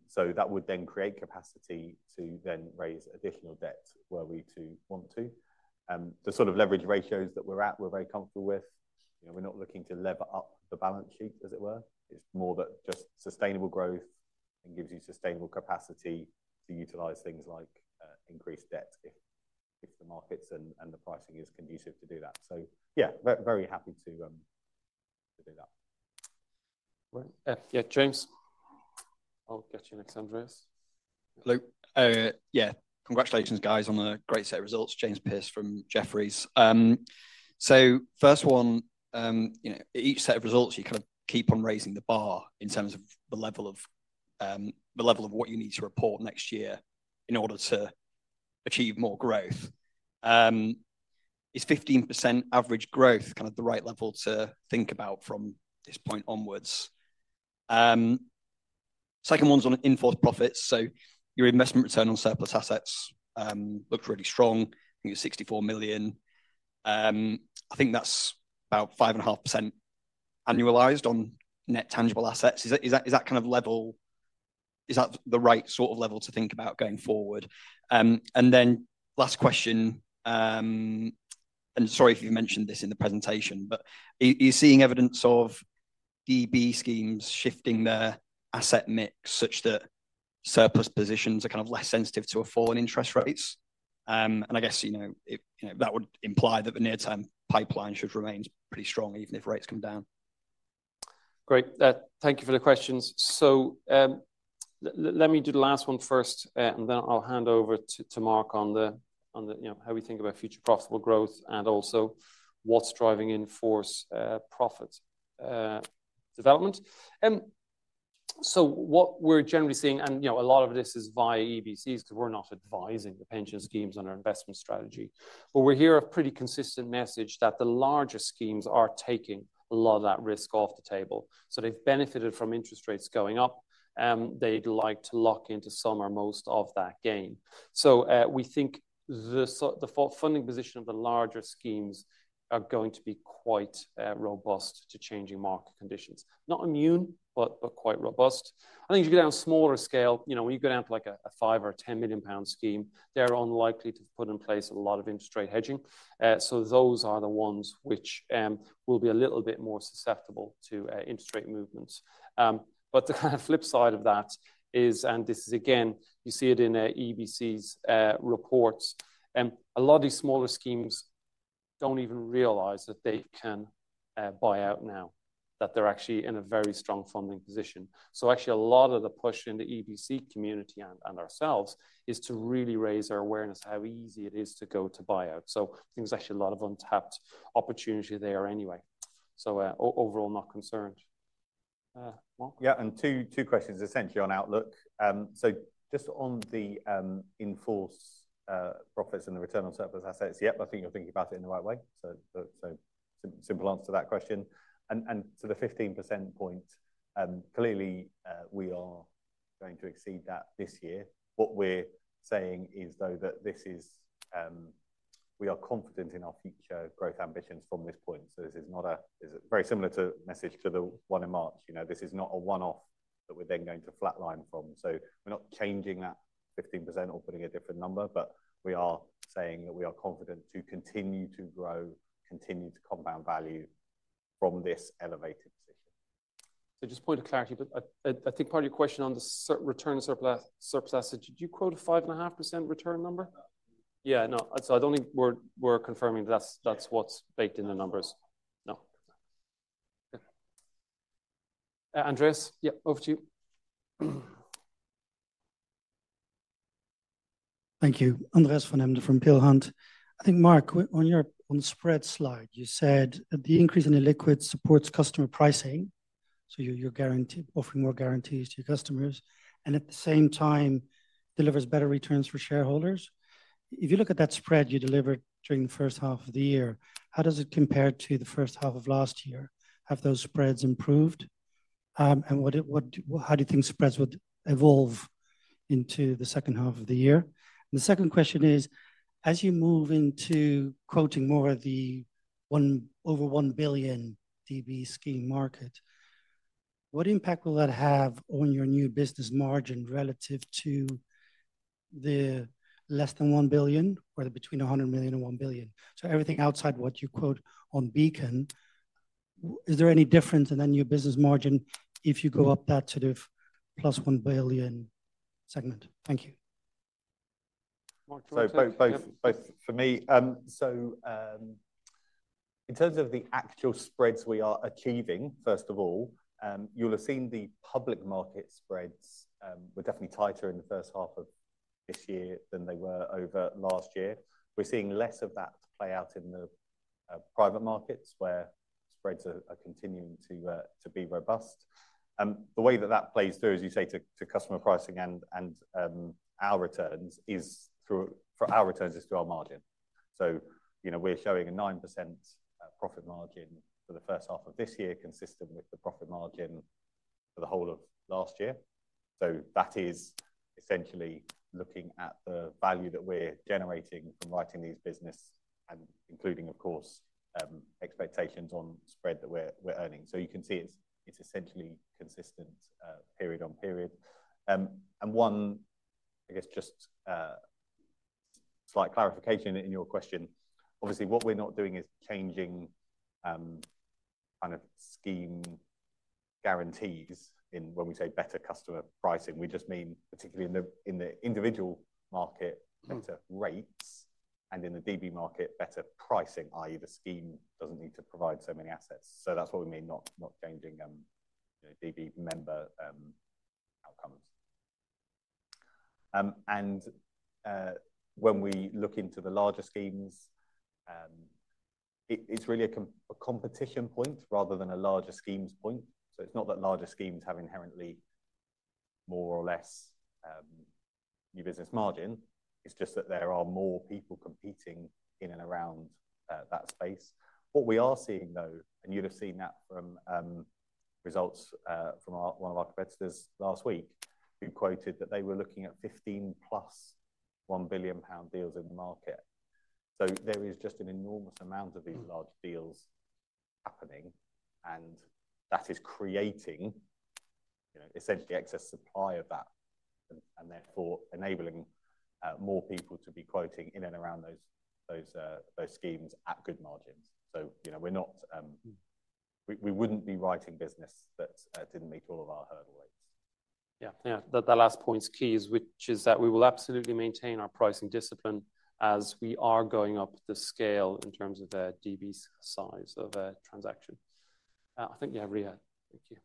So that would then create capacity to then raise additional debt were we to want to. The sort of leverage ratios that we're at, we're very comfortable with. You know, we're not looking to lever up the balance sheet, as it were. It's more that just sustainable growth and gives you sustainable capacity to utilize things like increased debt if the markets and the pricing is conducive to do that. So yeah, very, very happy to do that. Well, yeah, James. I'll get you next, Andreas. Hello. Yeah, congratulations, guys, on a great set of results. James Pearce from Jefferies. So first one, you know, each set of results, you kind of keep on raising the bar in terms of the level of the level of what you need to report next year in order to achieve more growth. Is 15% average growth kind of the right level to think about from this point onwards? Second one's on in-force profits. So your investment return on surplus assets looked really strong. I think it was 64 million. I think that's about 5.5% annualized on net tangible assets. Is that kind of level... Is that the right sort of level to think about going forward? Then last question, and sorry if you mentioned this in the presentation, but are you seeing evidence of DB schemes shifting their asset mix such that surplus positions are kind of less sensitive to a fall in interest rates? I guess, you know, it, you know, that would imply that the near-term pipeline should remain pretty strong even if rates come down. Great. Thank you for the questions. So, let me do the last one first, and then I'll hand over to Mark on the, you know, how we think about future profitable growth and also what's driving in-force profit development. So what we're generally seeing, and you know, a lot of this is via EBCs, 'cause we're not advising the pension schemes on our investment strategy. But we hear a pretty consistent message that the larger schemes are taking a lot of that risk off the table. So they've benefited from interest rates going up, they'd like to lock into some or most of that gain. So, we think the funding position of the larger schemes are going to be quite robust to changing market conditions. Not immune, but quite robust. I think if you go down smaller scale, you know, when you go down to like a, a 5 million or 10 million pound scheme, they're unlikely to put in place a lot of interest rate hedging. So those are the ones which will be a little bit more susceptible to interest rate movements. But the flip side of that is, and this is again, you see it in EBCs' reports, a lot of these smaller schemes don't even realize that they can buy out now, that they're actually in a very strong funding position. So actually, a lot of the push in the EBC community and ourselves is to really raise our awareness how easy it is to go to buyout. So there's actually a lot of untapped opportunity there anyway. So overall, not concerned. Mark? Yeah, and two, two questions essentially on outlook. So just on the in-force profits and the return on surplus assets, yep, I think you're thinking about it in the right way. So simple answer to that question. And to the 15% point, clearly, we are going to exceed that this year. What we're saying is, though, that this is, we are confident in our future growth ambitions from this point. So this is not a, is very similar to message to the one in March. You know, this is not a one-off that we're then going to flatline from. So we're not changing that 15% or putting a different number, but we are saying that we are confident to continue to grow, continue to compound value from this elevated position.... So just a point of clarity, but I think part of your question on the return on surplus assets, did you quote a 5.5% return number? Yeah, no. I don't think we're confirming that's what's baked in the numbers. No. Andreas, yeah, over to you. Thank you. Andreas van Embden from Peel Hunt. I think, Mark, on your, on the spread slide, you said that the increase in illiquid supports customer pricing, so you're offering more guarantees to your customers, and at the same time, delivers better returns for shareholders. If you look at that spread you delivered during the first half of the year, how does it compare to the first half of last year? Have those spreads improved? And what, what, how do you think spreads would evolve into the second half of the year? And the second question is: as you move into quoting more of the over 1 billion DB scheme market, what impact will that have on your new business margin relative to the less than 1 billion or between 100 million and 1 billion? So everything outside what you quote on Beacon, is there any difference in the new business margin if you go up that sort of plus 1 billion segment? Thank you. Mark, do you want to- So both for me. So, in terms of the actual spreads we are achieving, first of all, you'll have seen the public market spreads were definitely tighter in the first half of this year than they were over last year. We're seeing less of that play out in the private markets, where spreads are continuing to be robust. The way that that plays through, as you say to customer pricing and our returns is through... for our returns is through our margin. So, you know, we're showing a 9% profit margin for the first half of this year, consistent with the profit margin for the whole of last year. So that is essentially looking at the value that we're generating from writing these business and including, of course, expectations on spread that we're earning. So you can see it's essentially consistent period on period. And one, I guess, just slight clarification in your question. Obviously, what we're not doing is changing kind of scheme guarantees in when we say better customer pricing. We just mean, particularly in the individual market, better rates, and in the DB market, better pricing, i.e., the scheme doesn't need to provide so many assets. So that's what we mean, not changing you know, DB member outcomes. And when we look into the larger schemes, it's really a competition point rather than a larger schemes point. So it's not that larger schemes have inherently more or less, new business margin. It's just that there are more people competing in and around, that space. What we are seeing, though, and you'd have seen that from, results, from our, one of our competitors last week, who quoted that they were looking at 16 billion pound deals in the market. So there is just an enormous amount of these large deals happening, and that is creating, you know, essentially excess supply of that, and therefore, enabling, more people to be quoting in and around those, those, those schemes at good margins. So, you know, we're not... We, we wouldn't be writing business that, didn't meet all of our hurdle rates. Yeah, yeah. That last point is key, which is that we will absolutely maintain our pricing discipline as we are going up the scale in terms of DB size of a transaction. I think you have Rhea. Thank you.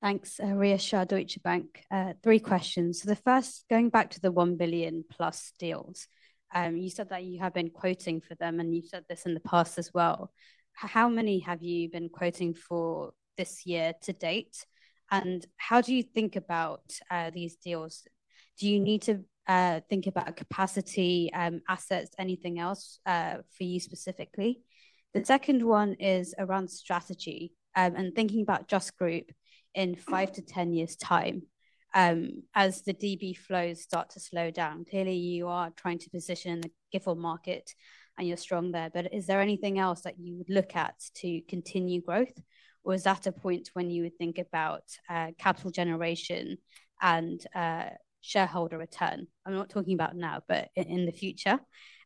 Thanks. Rhea Shah, Deutsche Bank. Three questions. So the first, going back to the 1 billion plus deals, you said that you have been quoting for them, and you said this in the past as well. How many have you been quoting for this year to date, and how do you think about these deals? Do you need to think about capacity, assets, anything else for you specifically? The second one is around strategy, and thinking about Just Group in five to ten years' time, as the DB flows start to slow down. Clearly, you are trying to position the GIFL market, and you're strong there, but is there anything else that you would look at to continue growth, or is that a point when you would think about capital generation and shareholder return? I'm not talking about now, but in the future.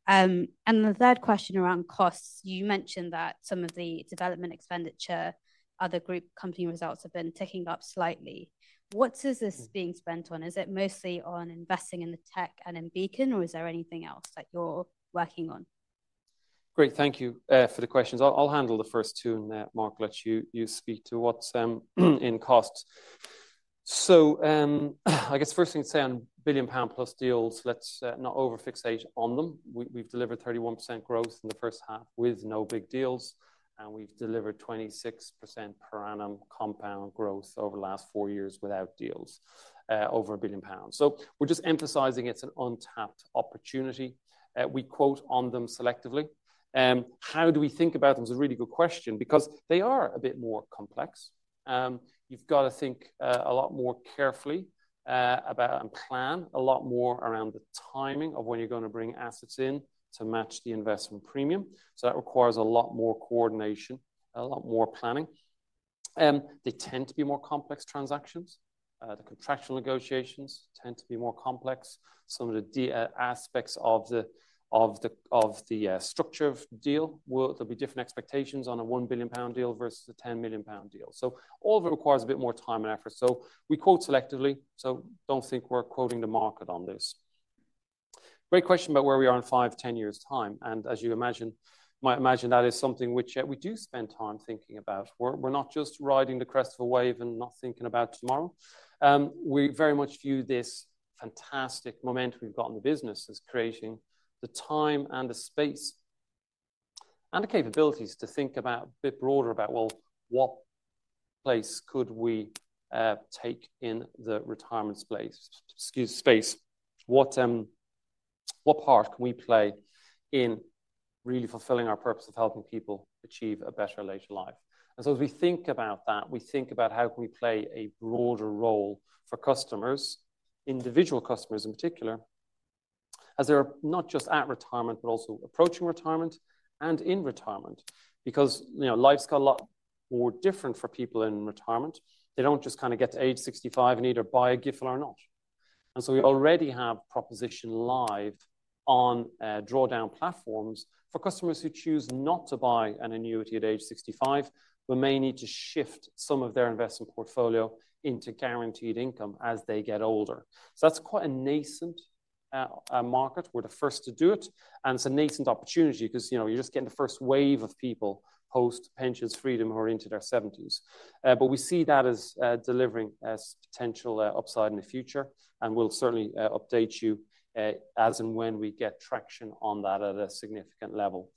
And the third question around costs, you mentioned that some of the development expenditure, other group company results have been ticking up slightly. What is this being spent on? Is it mostly on investing in the tech and in Beacon, or is there anything else that you're working on? Great, thank you for the questions. I'll handle the first two, and then, Mark, let you speak to what's in costs. So, I guess first thing to say on billion-pound plus deals, let's not overfixate on them. We've delivered 31% growth in the first half with no big deals, and we've delivered 26% per annum compound growth over the last 4 years without deals over 1 billion pounds. So we're just emphasizing it's an untapped opportunity. We quote on them selectively. How do we think about them is a really good question because they are a bit more complex. You've got to think a lot more carefully about and plan a lot more around the timing of when you're going to bring assets in to match the investment premium. So that requires a lot more coordination, a lot more planning. They tend to be more complex transactions. The contractual negotiations tend to be more complex. Some of the aspects of the structure of the deal will—there'll be different expectations on a 1 billion pound deal versus a 10 million pound deal. So all of it requires a bit more time and effort. So we quote selectively, so don't think we're quoting the market on this. Great question about where we are in 5, 10 years' time, and as you imagine, might imagine, that is something which we do spend time thinking about. We're not just riding the crest of a wave and not thinking about tomorrow. We very much view this fantastic momentum we've got in the business as creating the time and the space, and the capabilities to think about a bit broader about, well, what place could we take in the retirement space? What part can we play in really fulfilling our purpose of helping people achieve a better later life? And so, as we think about that, we think about how can we play a broader role for customers, individual customers in particular, as they're not just at retirement, but also approaching retirement and in retirement. Because, you know, life's got a lot more different for people in retirement. They don't just kinda get to age sixty-five and either buy a GIFL or not. And so, we already have proposition live on drawdown platforms for customers who choose not to buy an annuity at age 65, but may need to shift some of their investment portfolio into guaranteed income as they get older. So that's quite a nascent market. We're the first to do it, and it's a nascent opportunity because, you know, you're just getting the first wave of people, post Pension Freedoms, who are into their 70s. But we see that as delivering as potential upside in the future, and we'll certainly update you as and when we get traction on that at a significant level.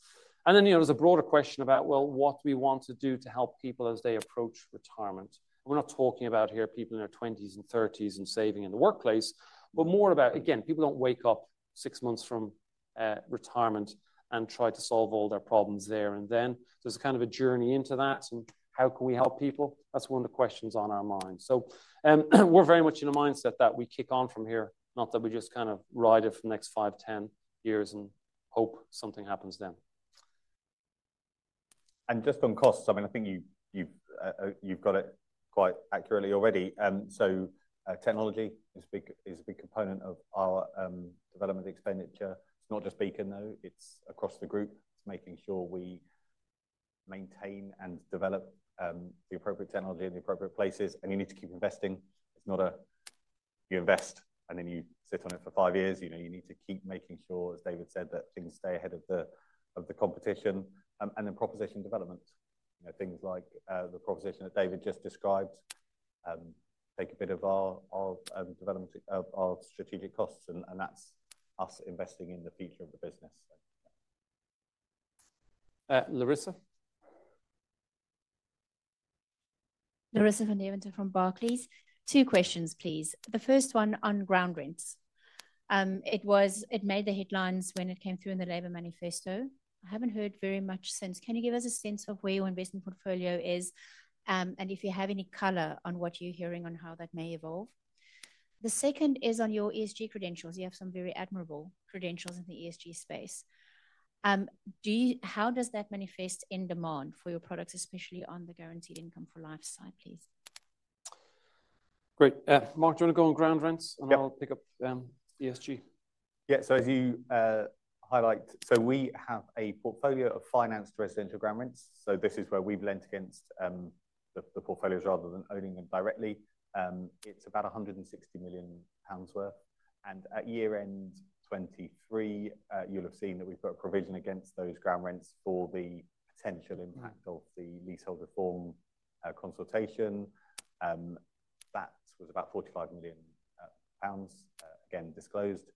And then, you know, there's a broader question about, well, what we want to do to help people as they approach retirement. We're not talking about here people in their 20s and 30s and saving in the workplace, but more about... Again, people don't wake up 6 months from retirement and try to solve all their problems there and then. There's a kind of a journey into that, and how can we help people? That's one of the questions on our minds. So, we're very much in a mindset that we kick on from here, not that we just kind of ride it for the next 5, 10 years and hope something happens then. And just on costs, I mean, I think you, you've got it quite accurately already. So, technology is big, is a big component of our development expenditure. It's not just Beacon, though, it's across the group. It's making sure we maintain and develop the appropriate technology in the appropriate places, and you need to keep investing. It's not a, you invest and then you sit on it for five years. You know, you need to keep making sure, as David said, that things stay ahead of the competition, and then proposition development. You know, things like the proposition that David just described, take a bit of our development of strategic costs, and that's us investing in the future of the business. Uh, Larissa? Larissa van Deventer from Barclays. Two questions, please. The first one on ground rents. It made the headlines when it came through in the Labour manifesto. I haven't heard very much since. Can you give us a sense of where your investment portfolio is, and if you have any color on what you're hearing on how that may evolve? The second is on your ESG credentials. You have some very admirable credentials in the ESG space. How does that manifest in demand for your products, especially on the guaranteed income for life side, please? Great. Mark, do you want to go on ground rents- Yeah. - and I'll pick up ESG. Yeah, so as you highlighted, so we have a portfolio of financed residential ground rents. So this is where we've lent against the portfolios rather than owning them directly. It's about 160 million pounds worth, and at year-end 2023, you'll have seen that we've got a provision against those ground rents for the potential impact of the leasehold reform consultation. That was about 45 million pounds, again, disclosed.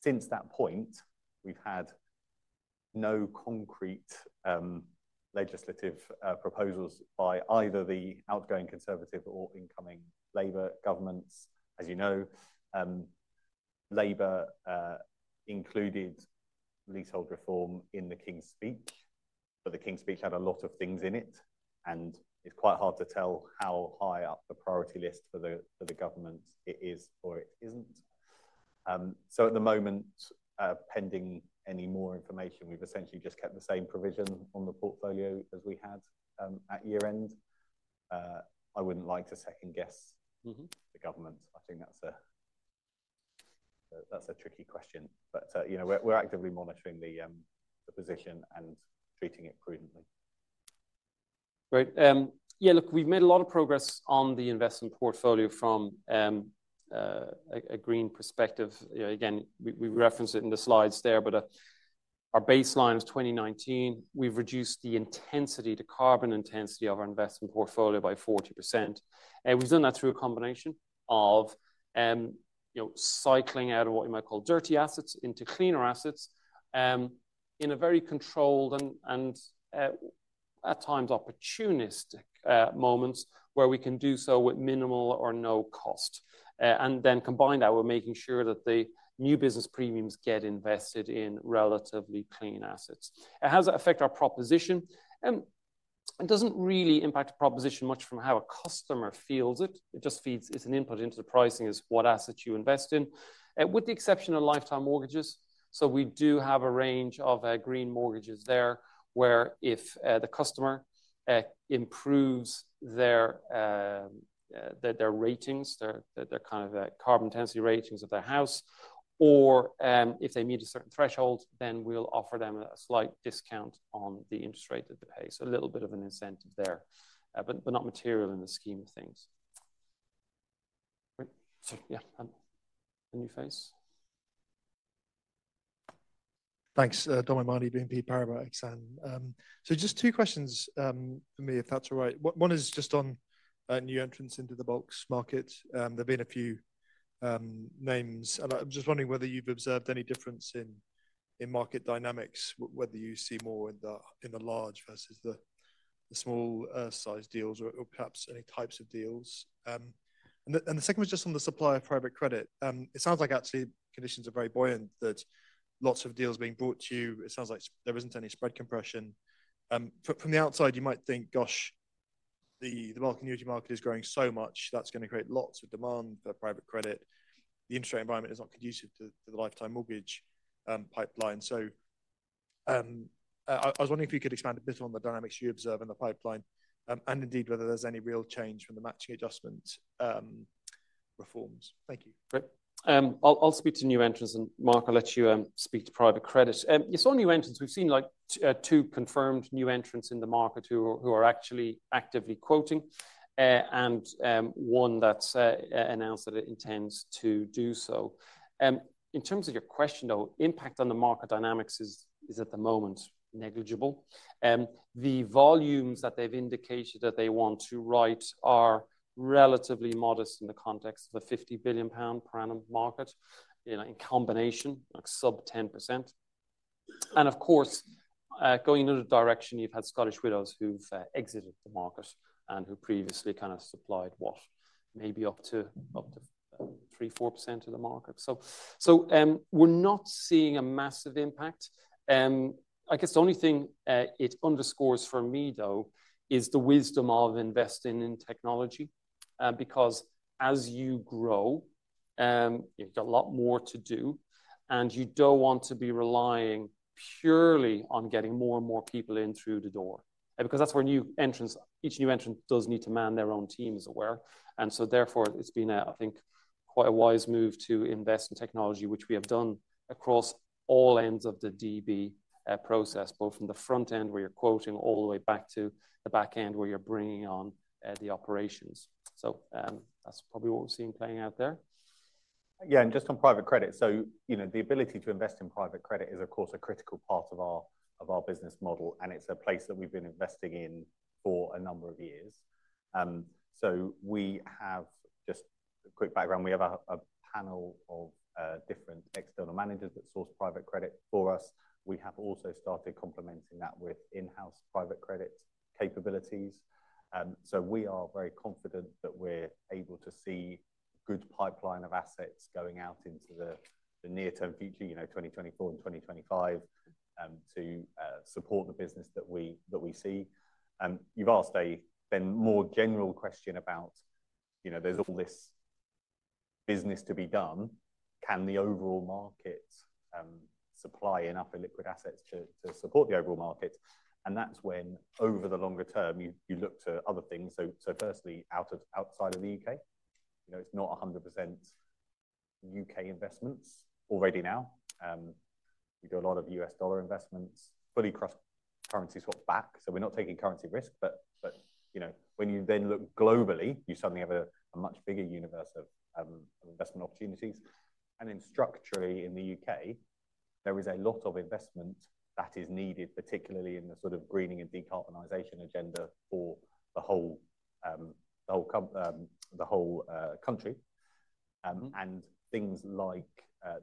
Since that point, we've had no concrete legislative proposals by either the outgoing Conservative or incoming Labour governments. As you know, Labour included leasehold reform in the King's Speech, but the King's Speech had a lot of things in it, and it's quite hard to tell how high up the priority list for the government it is or it isn't. So at the moment, pending any more information, we've essentially just kept the same provision on the portfolio as we had at year-end. I wouldn't like to second-guess- Mm-hmm... the government. I think that's a, that's a tricky question, but, you know, we're, we're actively monitoring the position and treating it prudently. Great. Yeah, look, we've made a lot of progress on the investment portfolio from a green perspective. You know, again, we referenced it in the slides there, but our baseline is 2019. We've reduced the intensity, the carbon intensity of our investment portfolio by 40%. And we've done that through a combination of, you know, cycling out of what you might call dirty assets into cleaner assets, in a very controlled and at times, opportunistic moments where we can do so with minimal or no cost. And then combine that with making sure that the new business premiums get invested in relatively clean assets. How does that affect our proposition? It doesn't really impact the proposition much from how a customer feels it. It just feeds—it's an input into the pricing, is what assets you invest in, with the exception of lifetime mortgages. So we do have a range of green mortgages there, where if the customer improves their kind of carbon intensity ratings of their house, or if they meet a certain threshold, then we'll offer them a slight discount on the interest rate that they pay. So a little bit of an incentive there, but not material in the scheme of things. Great. So, yeah, a new face? Thanks. Dominic O'Mahony, BNP Paribas, and, so just two questions, for me, if that's all right. One, one is just on, new entrants into the bulks market. There have been a few, names. And I'm just wondering whether you've observed any difference in, in market dynamics, whether you see more in the, in the large versus the, the small, size deals or, or perhaps any types of deals? And the, and the second was just on the supply of private credit. It sounds like actually conditions are very buoyant, that lots of deals are being brought to you. It sounds like there isn't any spread compression. From the outside, you might think, gosh, the, the mortgage market is growing so much, that's gonna create lots of demand for private credit. The interest rate environment is not conducive to the lifetime mortgage pipeline. So, I was wondering if you could expand a bit on the dynamics you observe in the pipeline, and indeed, whether there's any real change from the Matching Adjustment reforms. Thank you. Great. I'll speak to new entrants, and Mark, I'll let you speak to private credit. You saw new entrants. We've seen, like, two confirmed new entrants in the market who are actually quoting, and one that's announced that it intends to do so. In terms of your question, though, impact on the market dynamics is at the moment negligible. The volumes that they've indicated that they want to write are relatively modest in the context of a 50 billion pound per annum market, you know, in combination, like sub 10%. And of course, going the other direction, you've had Scottish Widows who've exited the market and who previously kind of supplied what? Maybe up to 3-4% of the market. So, we're not seeing a massive impact. I guess the only thing, it underscores for me, though, is the wisdom of investing in technology, because as you grow, you've got a lot more to do, and you don't want to be relying purely on getting more and more people in through the door. Because that's where new entrants, each new entrant does need to man their own team, as it were, and so therefore, it's been a, I think, quite a wise move to invest in technology, which we have done across all ends of the DB process, both from the front end, where you're quoting, all the way back to the back end, where you're bringing on, the operations. So, that's probably what we're seeing playing out there. Yeah, and just on private credit, so, you know, the ability to invest in private credit is, of course, a critical part of our, of our business model, and it's a place that we've been investing in for a number of years. Just a quick background, we have a, a panel of, different external managers that source private credit for us. We have also started complementing that with in-house private credit capabilities. So we are very confident that we're able to see good pipeline of assets going out into the, the near-term future, you know, 2024 and 2025, to, support the business that we, that we see. You've asked a then more general question about, you know, there's all this business to be done. Can the overall market, supply enough illiquid assets to, to support the overall market? And that's when, over the longer term, you, you look to other things. So, so firstly, out of, outside of the U.K., you know, it's not 100% U.K. investments already now. We do a lot of U.S. dollar investments, fully cross-currency swap back, so we're not taking currency risk, but, but, you know, when you then look globally, you suddenly have a, a much bigger universe of, of investment opportunities. And then structurally, in the U.K., there is a lot of investment that is needed, particularly in the sort of greening and decarbonization agenda for the whole, the whole country. And things like,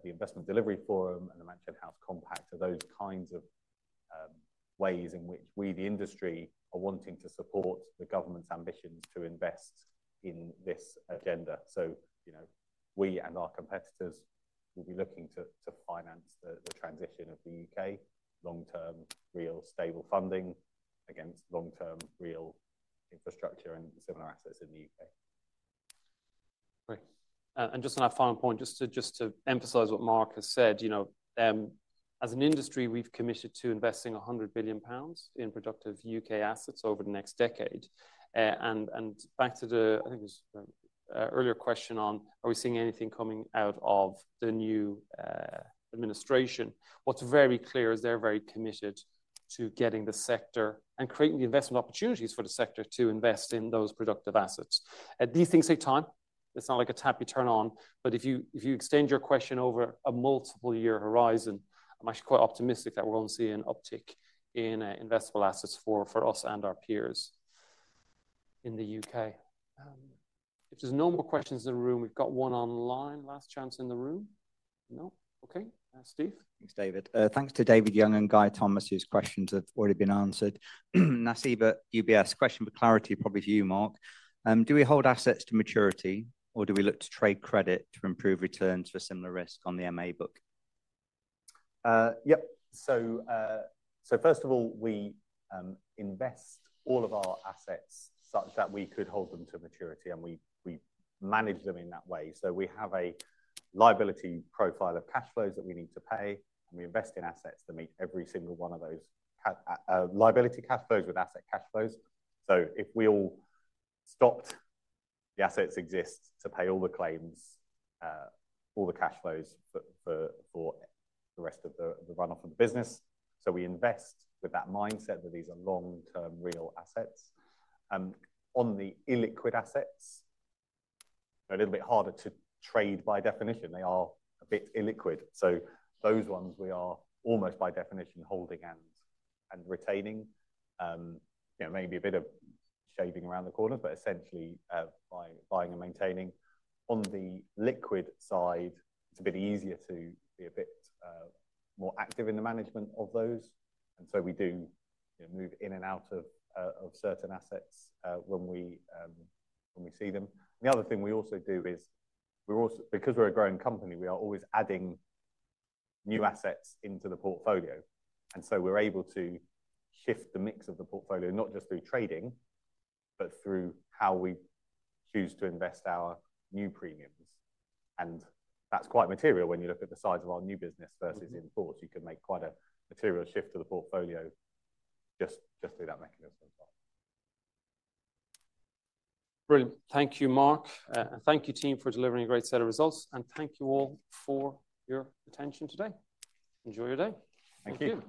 the Investment Delivery Forum and the Mansion House Compact are those kinds of, ways in which we, the industry, are wanting to support the government's ambitions to invest in this agenda. So, you know, we and our competitors will be looking to finance the transition of the UK long-term real stable funding against long-term real infrastructure and similar assets in the UK. Great. And just on that final point, just to emphasize what Mark has said, you know, as an industry, we've committed to investing 100 billion pounds in productive UK assets over the next decade. And back to the, I think it was, earlier question on, are we seeing anything coming out of the new administration? What's very clear is they're very committed to getting the sector and creating the investment opportunities for the sector to invest in those productive assets. These things take time. It's not like a tap you turn on, but if you extend your question over a multiple-year horizon, I'm actually quite optimistic that we're going to see an uptick in investable assets for us and our peers in the UK. If there's no more questions in the room, we've got one online. Last chance in the room? No. Okay. Steve? Thanks, David. Thanks to David Young and Guy Thomas, whose questions have already been answered. Nasib, UBS. Question for clarity, probably for you, Mark. Do we hold assets to maturity, or do we look to trade credit to improve returns for similar risk on the MA book? Yep. So, first of all, we invest all of our assets such that we could hold them to maturity, and we manage them in that way. So we have a liability profile of cash flows that we need to pay, and we invest in assets that meet every single one of those liability cash flows with asset cash flows. So if we all stopped, the assets exist to pay all the claims, all the cash flows for the rest of the run-off of the business. So we invest with that mindset that these are long-term, real assets. On the illiquid assets, a little bit harder to trade by definition. They are a bit illiquid, so those ones we are almost by definition holding and retaining. You know, maybe a bit of shaving around the corners, but essentially, by buying and maintaining. On the liquid side, it's a bit easier to be a bit more active in the management of those, and so we do, you know, move in and out of certain assets when we see them. The other thing we also do is we're also, because we're a growing company, we are always adding new assets into the portfolio, and so we're able to shift the mix of the portfolio, not just through trading, but through how we choose to invest our new premiums. And that's quite material when you look at the size of our new business versus in force. You can make quite a material shift to the portfolio just through that mechanism as well. Brilliant. Thank you, Mark. And thank you, team, for delivering a great set of results, and thank you all for your attention today. Enjoy your day. Thank you.